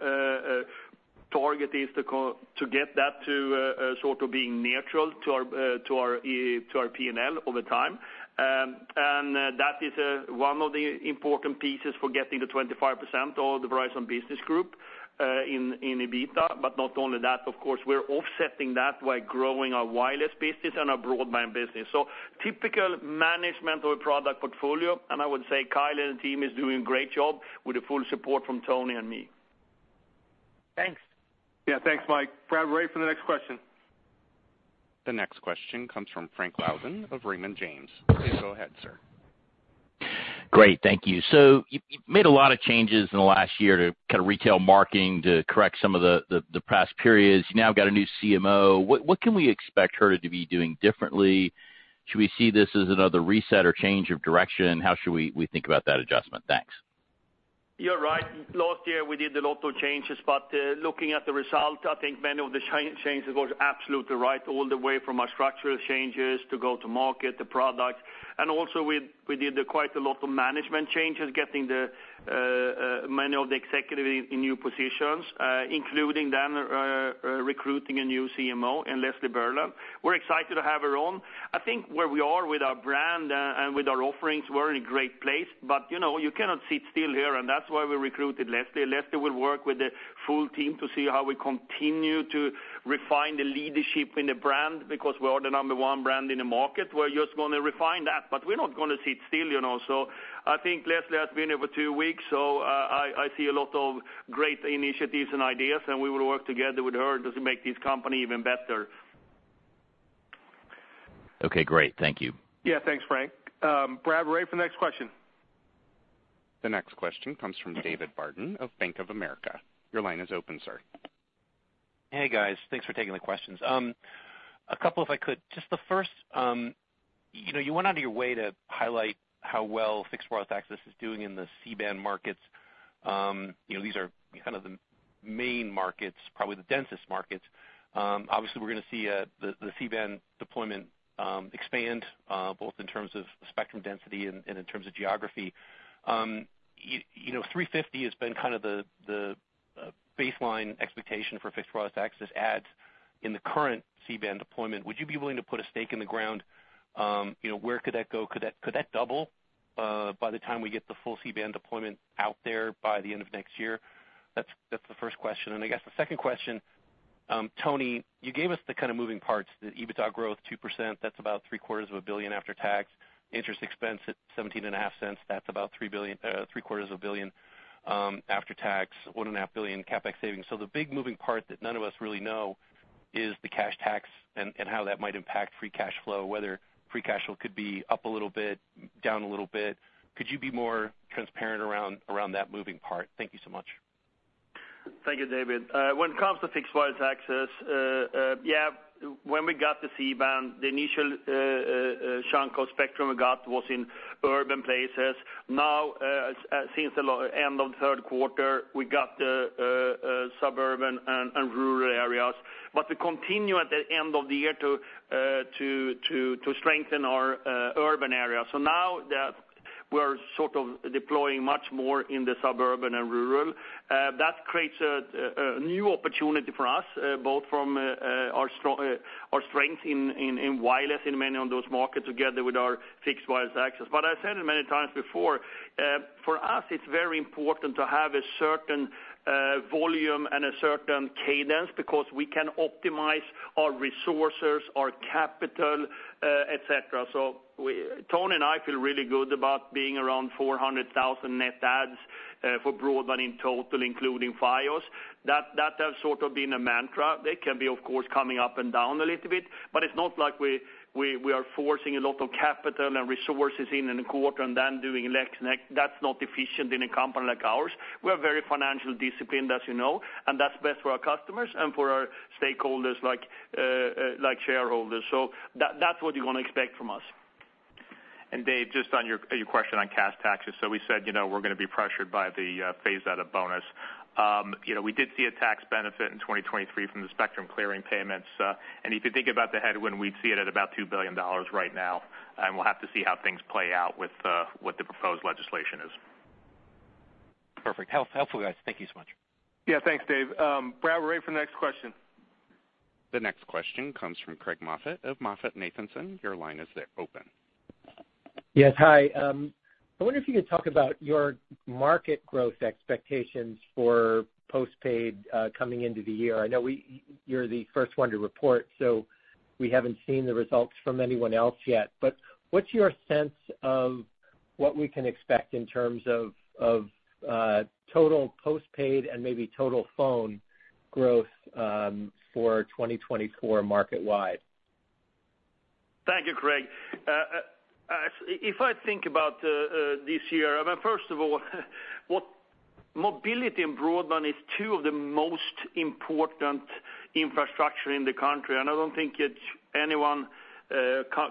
target is to get that to sort of being neutral to our P&L over time. And, that is one of the important pieces for getting the 25% of the Verizon Business Group in EBITDA. But not only that, of course, we're offsetting that by growing our wireless business and our broadband business. So typical management or product portfolio, and I would say Kyle and the team is doing a great job with the full support from Tony and me. Thanks. Yeah, thanks, Mike. Brad, we're ready for the next question. The next question comes from Frank Louthan of Raymond James. Please go ahead, sir. Great, thank you. So you've made a lot of changes in the last year to kind of retail marketing to correct some of the past periods. You've now got a new CMO. What can we expect her to be doing differently? Should we see this as another reset or change of direction? How should we think about that adjustment? Thanks. You're right. Last year, we did a lot of changes, but looking at the result, I think many of the changes was absolutely right, all the way from our structural changes, to go to market, to product. And also, we did quite a lot of management changes, getting the many of the executive in new positions, including then recruiting a new CMO in Leslie Berland. We're excited to have her on. I think where we are with our brand and with our offerings, we're in a great place, but you know, you cannot sit still here, and that's why we recruited Leslie. Leslie will work with the full team to see how we continue to refine the leadership in the brand, because we are the number one brand in the market. We're just gonna refine that, but we're not gonna sit still, you know. So I think Leslie has been here for two weeks, so I see a lot of great initiatives and ideas, and we will work together with her to make this company even better. Okay, great. Thank you. Yeah, thanks, Frank. Brad, we're ready for the next question. The next question comes from David Barden of Bank of America. Your line is open, sir. Hey, guys. Thanks for taking the questions. A couple, if I could. Just the first, you know, you went out of your way to highlight how well Fixed Wireless Access is doing in the C-Band markets. You know, these are kind of the main markets, probably the densest markets. Obviously, we're gonna see the C-Band deployment expand both in terms of spectrum density and in terms of geography. You know, 350 has been kind of the baseline expectation for Fixed Wireless Access adds in the current C-Band deployment. Would you be willing to put a stake in the ground, you know, where could that go? Could that double by the time we get the full C-Band deployment out there by the end of next year? That's the first question. I guess the second question, Tony, you gave us the kind of moving parts, the EBITDA growth, 2%, that's about $750 million after tax. Interest expense at $0.175, that's about $750 million after tax, $1.5 billion CapEx savings. So the big moving part that none of us really know is the cash tax and how that might impact free cash flow, whether free cash flow could be up a little bit, down a little bit. Could you be more transparent around that moving part? Thank you so much. Thank you, David. When it comes to Fixed Wireless Access, yeah, when we got the C-Band, the initial chunk of spectrum we got was in urban places. Now, since the end of the third quarter, we got the suburban and rural areas. But we continue at the end of the year to strengthen our urban area. So now that we're sort of deploying much more in the suburban and rural, that creates a new opportunity for us, both from our strength in wireless in many of those markets together with our Fixed Wireless Access. But I've said it many times before, for us, it's very important to have a certain volume and a certain cadence because we can optimize our resources, our capital, et cetera. So Tony and I feel really good about being around 400,000 net adds for broadband in total, including Fios. That has sort of been a mantra. They can be, of course, coming up and down a little bit, but it's not like we are forcing a lot of capital and resources in a quarter and then doing less next. That's not efficient in a company like ours. We are very financially disciplined, as you know, and that's best for our customers and for our stakeholders like shareholders. So that's what you're gonna expect from us. Dave, just on your question on cash taxes. We said, you know, we're gonna be pressured by the phase-out of bonus. You know, we did see a tax benefit in 2023 from the spectrum clearing payments, and if you think about the headwind, we'd see it at about $2 billion right now, and we'll have to see how things play out with what the proposed legislation is. Perfect. Helpful, guys. Thank you so much. Yeah, thanks, Dave. Brad, we're ready for the next question. The next question comes from Craig Moffett of MoffettNathanson. Your line is open.... Yes, hi. I wonder if you could talk about your market growth expectations for postpaid, coming into the year. I know we, you're the first one to report, so we haven't seen the results from anyone else yet. But what's your sense of what we can expect in terms of total postpaid and maybe total phone growth, for 2024 market-wide? Thank you, Craig. If I think about this year, I mean, first of all, what... Mobility and broadband is two of the most important infrastructure in the country, and I don't think it's any one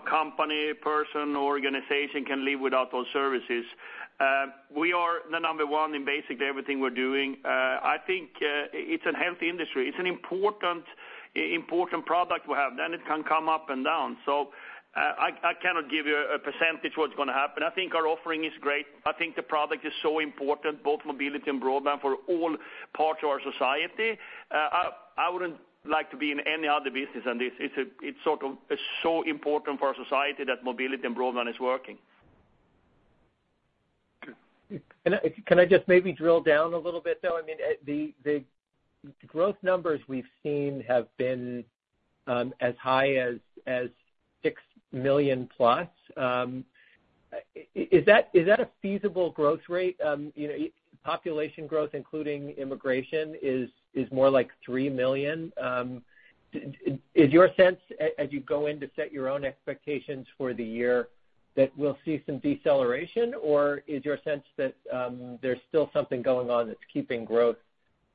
company, person, or organization can live without those services. We are the number one in basically everything we're doing. I think it's a healthy industry. It's an important, important product we have, then it can come up and down. So, I cannot give you a percentage what's gonna happen. I think our offering is great. I think the product is so important, both mobility and broadband, for all parts of our society. I wouldn't like to be in any other business than this. It's sort of, it's so important for our society that mobility and broadband is working. Can I just maybe drill down a little bit, though? I mean, the growth numbers we've seen have been as high as 6+ million. Is that a feasible growth rate? You know, population growth, including immigration, is more like 3 million. Is your sense, as you go in to set your own expectations for the year, that we'll see some deceleration, or is your sense that there's still something going on that's keeping growth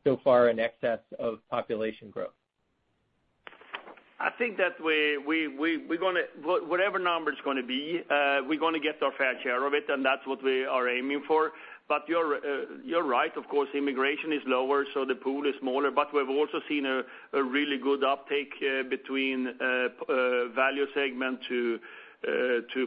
so far in excess of population growth? I think that we're gonna whatever number it's gonna be, we're gonna get our fair share of it, and that's what we are aiming for. But you're right. Of course, immigration is lower, so the pool is smaller, but we've also seen a really good uptake between value segment to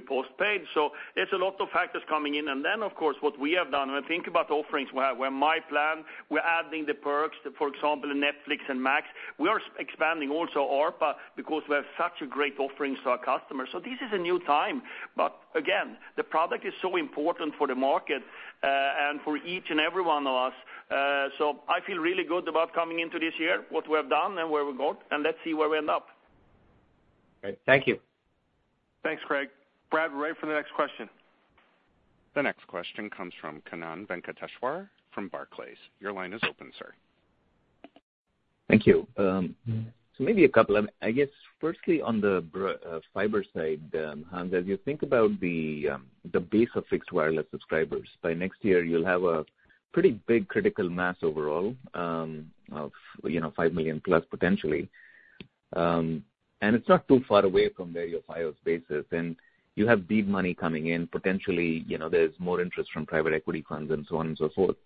postpaid. So there's a lot of factors coming in. And then, of course, what we have done, when I think about offerings, we have myPlan, we're adding the perks, for example, Netflix and Max. We are expanding also ARPA, because we have such a great offerings to our customers. So this is a new time. But again, the product is so important for the market, and for each and every one of us. I feel really good about coming into this year, what we have done and where we got, and let's see where we end up. Great. Thank you. Thanks, Craig. Brad, we're ready for the next question. The next question comes from Kannan Venkateshwar from Barclays. Your line is open, sir. Thank you. So maybe a couple of. I guess, firstly, on the fiber side, Hans, as you think about the base of fixed wireless subscribers, by next year, you'll have a pretty big critical mass overall, of, you know, 5+ million, potentially. And it's not too far away from where your Fios base is, and you have deep money coming in. Potentially, you know, there's more interest from private equity funds and so on and so forth.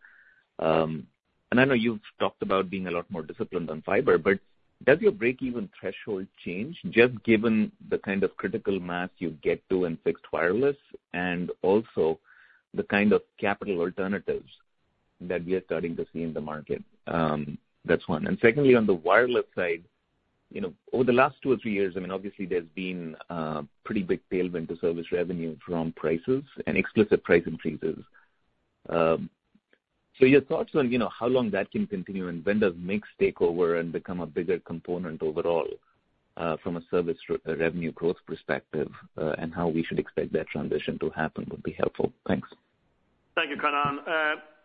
And I know you've talked about being a lot more disciplined on fiber, but does your break-even threshold change, just given the kind of critical mass you get to in fixed wireless, and also the kind of capital alternatives that we are starting to see in the market? That's one. And secondly, on the wireless side, you know, over the last two or three years, I mean, obviously there's been pretty big tailwind to service revenue from prices and explicit price increases. So your thoughts on, you know, how long that can continue and when does mix take over and become a bigger component overall from a service revenue growth perspective, and how we should expect that transition to happen would be helpful. Thanks. Thank you, Kannan.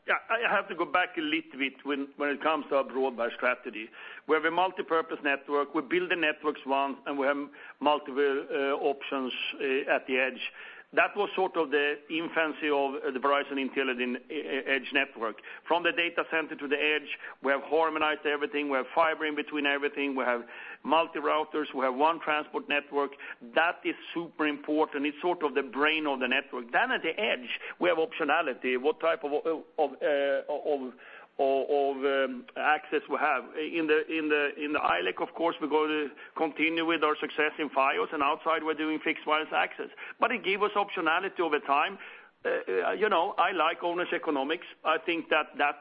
Yeah, I have to go back a little bit when it comes to our broadband strategy. We have a multipurpose network. We build the networks once, and we have multiple options at the edge. That was sort of the infancy of the Verizon Intelligent Edge Network. From the data center to the edge, we have harmonized everything, we have fiber in between everything, we have multi routers, we have one transport network. That is super important. It's sort of the brain of the network. Then at the edge, we have optionality. What type of access we have. In the ILEC, of course, we're going to continue with our success in Fios, and outside we're doing Fixed Wireless Access. But it give us optionality over time. You know, I like owner's economics. I think that that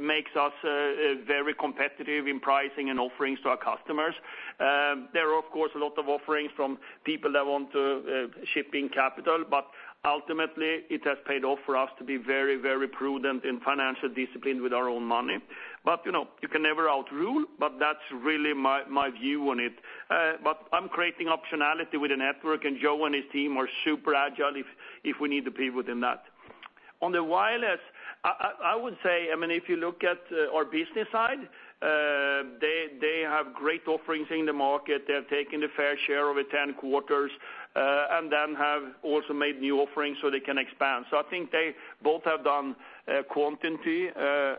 makes us very competitive in pricing and offerings to our customers. There are, of course, a lot of offerings from people that want to ship in capital, but ultimately, it has paid off for us to be very, very prudent in financial discipline with our own money. But, you know, you can never rule out, but that's really my view on it. But I'm creating optionality with the network, and Joe and his team are super agile if we need to be within that. On the wireless, I would say, I mean, if you look at our business side, they have great offerings in the market. They have taken the fair share over 10 quarters, and then have also made new offerings so they can expand. So I think they both have done quantity and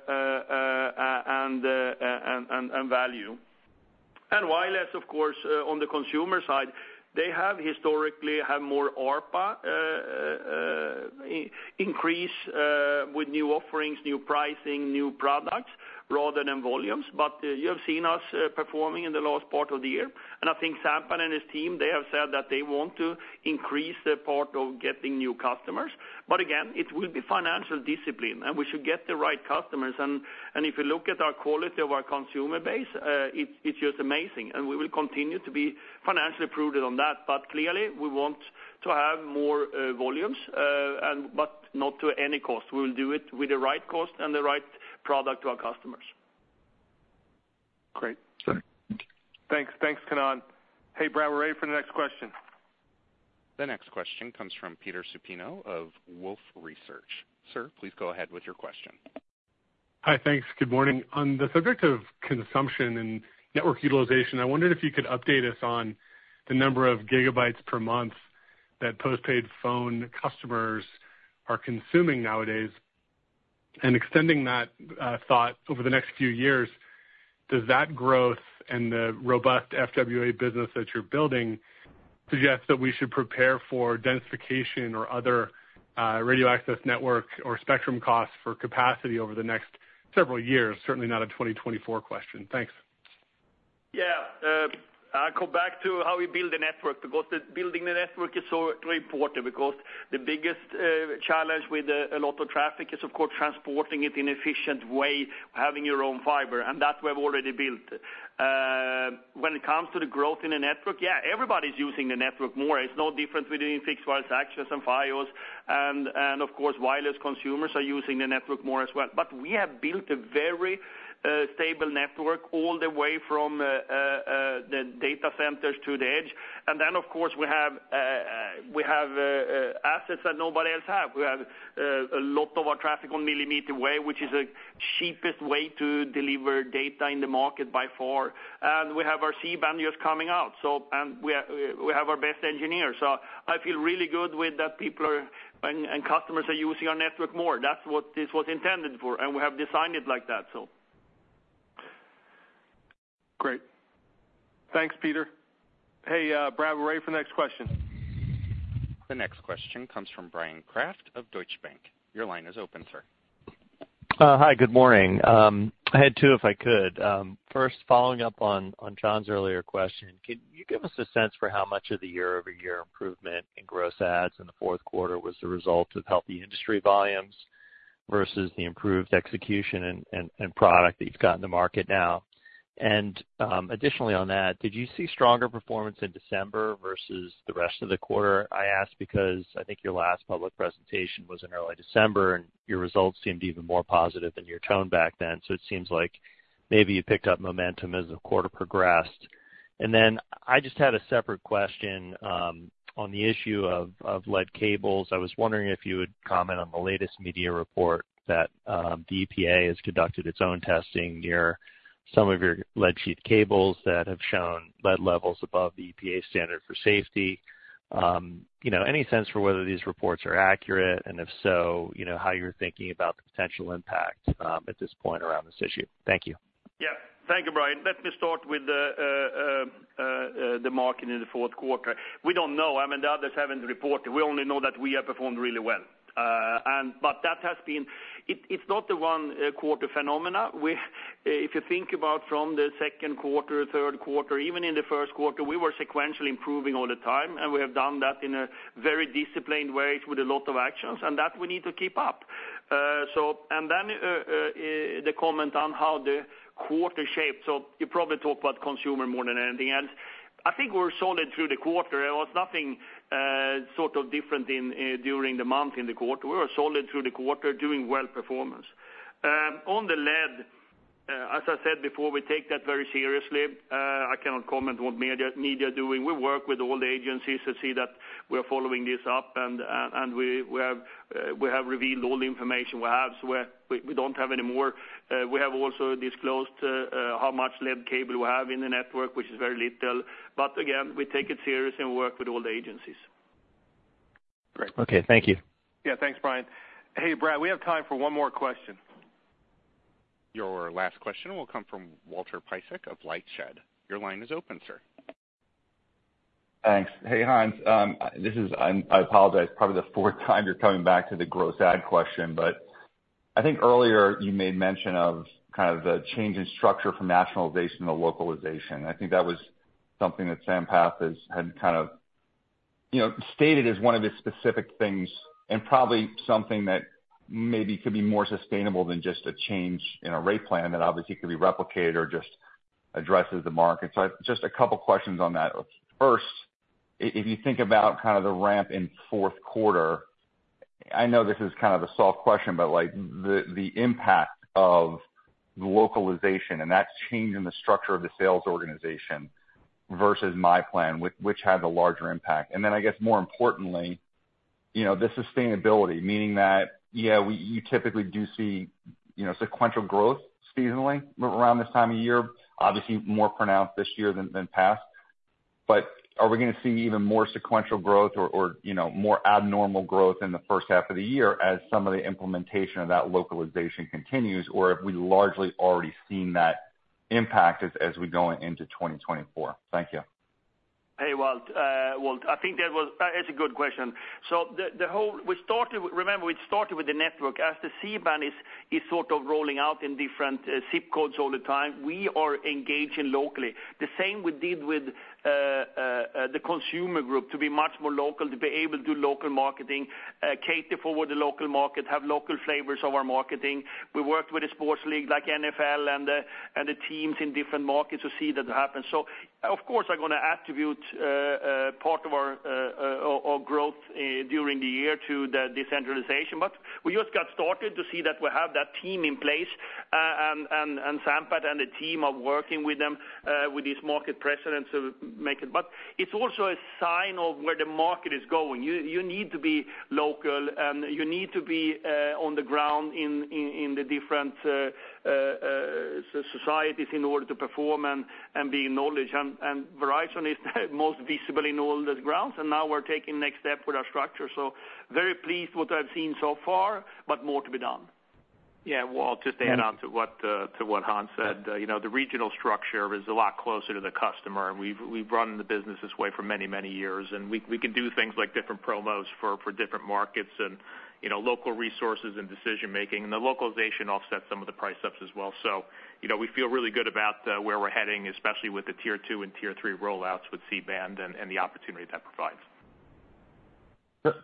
value. Wireless, of course, on the consumer side, they have historically had more ARPA increase with new offerings, new pricing, new products... rather than volumes. But you have seen us performing in the last part of the year, and I think Sampath and his team, they have said that they want to increase their part of getting new customers. But again, it will be financial discipline, and we should get the right customers. And if you look at our quality of our consumer base, it, it's just amazing, and we will continue to be financially prudent on that. But clearly, we want to have more volumes, and but not to any cost. We will do it with the right cost and the right product to our customers. Great. Thanks. Thanks, Kannan. Hey, Brady, we're ready for the next question. The next question comes from Peter Supino of Wolfe Research. Sir, please go ahead with your question. Hi, thanks. Good morning. On the subject of consumption and network utilization, I wondered if you could update us on the number of gigabytes per month that postpaid phone customers are consuming nowadays, and extending that thought over the next few years, does that growth and the robust FWA business that you're building suggest that we should prepare for densification or other radio access network or spectrum costs for capacity over the next several years? Certainly not a 2024 question. Thanks. Yeah, I'll go back to how we build the network, because building the network is so important, because the biggest challenge with a lot of traffic is, of course, transporting it in efficient way, having your own fiber, and that we've already built. When it comes to the growth in the network, yeah, everybody's using the network more. It's no different between Fixed Wireless Access and Fios, and of course, wireless consumers are using the network more as well. But we have built a very stable network all the way from the data centers to the edge. And then, of course, we have assets that nobody else have. We have a lot of our traffic on millimeter wave, which is the cheapest way to deliver data in the market by far. We have our C-Band just coming out, so, and we have our best engineers. So I feel really good with that, people are, and customers are using our network more. That's what this was intended for, and we have designed it like that, so. Great. Thanks, Peter. Hey, Brad, we're ready for the next question. The next question comes from Bryan Kraft of Deutsche Bank. Your line is open, sir. Hi, good morning. I had two, if I could. First, following up on John's earlier question, can you give us a sense for how much of the year-over-year improvement in gross adds in the fourth quarter was the result of healthy industry volumes versus the improved execution and product that you've got in the market now? And, additionally on that, did you see stronger performance in December versus the rest of the quarter? I ask because I think your last public presentation was in early December, and your results seemed even more positive than your tone back then. So it seems like maybe you picked up momentum as the quarter progressed. And then I just had a separate question on the issue of lead cables. I was wondering if you would comment on the latest media report that the EPA has conducted its own testing near some of your lead sheath cables that have shown lead levels above the EPA standard for safety. You know, any sense for whether these reports are accurate, and if so, you know, how you're thinking about the potential impact at this point around this issue? Thank you. Yeah. Thank you, Bryan. Let me start with the market in the fourth quarter. We don't know. I mean, the others haven't reported. We only know that we have performed really well. And but that has been. It, it's not the one quarter phenomena. We if you think about from the second quarter, third quarter, even in the first quarter, we were sequentially improving all the time, and we have done that in a very disciplined way with a lot of actions, and that we need to keep up. So and then, the comment on how the quarter shaped. So you probably talk about consumer more than anything else. I think we're solid through the quarter. There was nothing sort of different in during the month in the quarter. We were solid through the quarter, doing well performance. On the lead, as I said before, we take that very seriously. I cannot comment what media doing. We work with all the agencies to see that we're following this up, and we have revealed all the information we have, so we're—we don't have any more. We have also disclosed how much lead cable we have in the network, which is very little. But again, we take it serious and work with all the agencies. Great. Okay. Thank you. Yeah, thanks, Bryan. Hey, Brady, we have time for one more question. Your last question will come from Walter Piecyk of LightShed. Your line is open, sir. Thanks. Hey, Hans. This is. I apologize, probably the fourth time you're coming back to the gross add question, but I think earlier you made mention of kind of the change in structure from nationalization to localization. I think that was something that Sampath had kind of, you know, stated as one of his specific things and probably something that maybe could be more sustainable than just a change in a rate plan that obviously could be replicated or just addresses the market. So just a couple questions on that. First, if you think about kind of the ramp in fourth quarter, I know this is kind of a soft question, but like, the impact of the localization and that change in the structure of the sales organization versus my plan, which had a larger impact? And then, I guess, more importantly, you know, the sustainability, meaning that, yeah, you typically do see, you know, sequential growth seasonally around this time of year, obviously more pronounced this year than past. But are we gonna see even more sequential growth or, you know, more abnormal growth in the first half of the year as some of the implementation of that localization continues? Or have we largely already seen that impact as we go into 2024? Thank you. ... Hey, Walt, Walt, I think that was a good question. So the whole, we started, remember, we started with the network. As the C-Band is sort of rolling out in different zip codes all the time, we are engaging locally. The same we did with the Consumer Group, to be much more local, to be able to do local marketing, cater for the local market, have local flavors of our marketing. We worked with a sports league like NFL and the teams in different markets to see that happen. So of course, I'm gonna attribute part of our our growth during the year to the decentralization. But we just got started to see that we have that team in place, and Sampath and the team are working with them with this market president to make it. But it's also a sign of where the market is going. You need to be local, and you need to be on the ground in the different societies in order to perform and be in knowledge. And Verizon is most visible in all the grounds, and now we're taking next step with our structure. So very pleased what I've seen so far, but more to be done. Yeah, Walt, just to add on to what Hans said, you know, the regional structure is a lot closer to the customer, and we've run the business this way for many, many years. We can do things like different promos for different markets and, you know, local resources and decision-making, and the localization offsets some of the price ups as well. So, you know, we feel really good about where we're heading, especially with the tier 2 and tier 3 rollouts with C-Band and the opportunity that provides.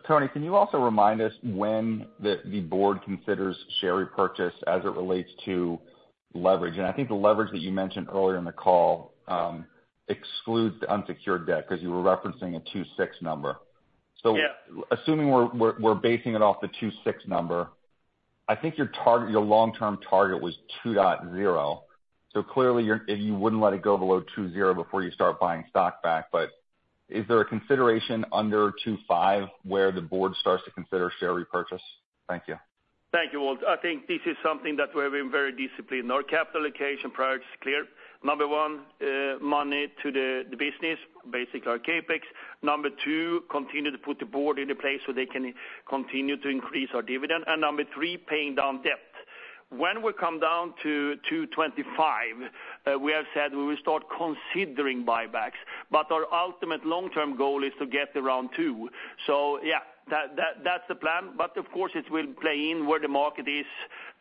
Tony, can you also remind us when the board considers share repurchase as it relates to leverage? And I think the leverage that you mentioned earlier in the call, excludes the unsecured debt, 'cause you were referencing a 2.6 number. Yeah. So assuming we're basing it off the 2.6 number, I think your target, your long-term target was 2.0. So clearly, you're, you wouldn't let it go below 2.0 before you start buying stock back, but is there a consideration under 2.5, where the board starts to consider share repurchase? Thank you. Thank you, Walt. I think this is something that we're being very disciplined. Our capital allocation priority is clear. Number 1, money to the business, basically our CapEx. Number 2, continue to put the board into place so they can continue to increase our dividend. And Number 3, paying down debt. When we come down to 2.25, we have said we will start considering buybacks, but our ultimate long-term goal is to get around 2. So yeah, that's the plan. But of course, it will play in where the market is,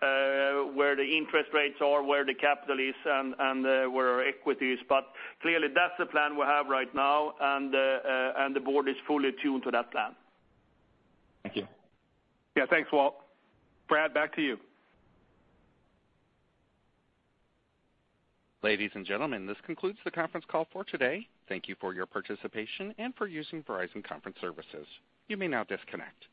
where the interest rates are, where the capital is, and where our equity is. But clearly, that's the plan we have right now, and the board is fully attuned to that plan. Thank you. Yeah, thanks, Walt. Brad, back to you. Ladies and gentlemen, this concludes the conference call for today. Thank you for your participation and for using Verizon Conference Services. You may now disconnect.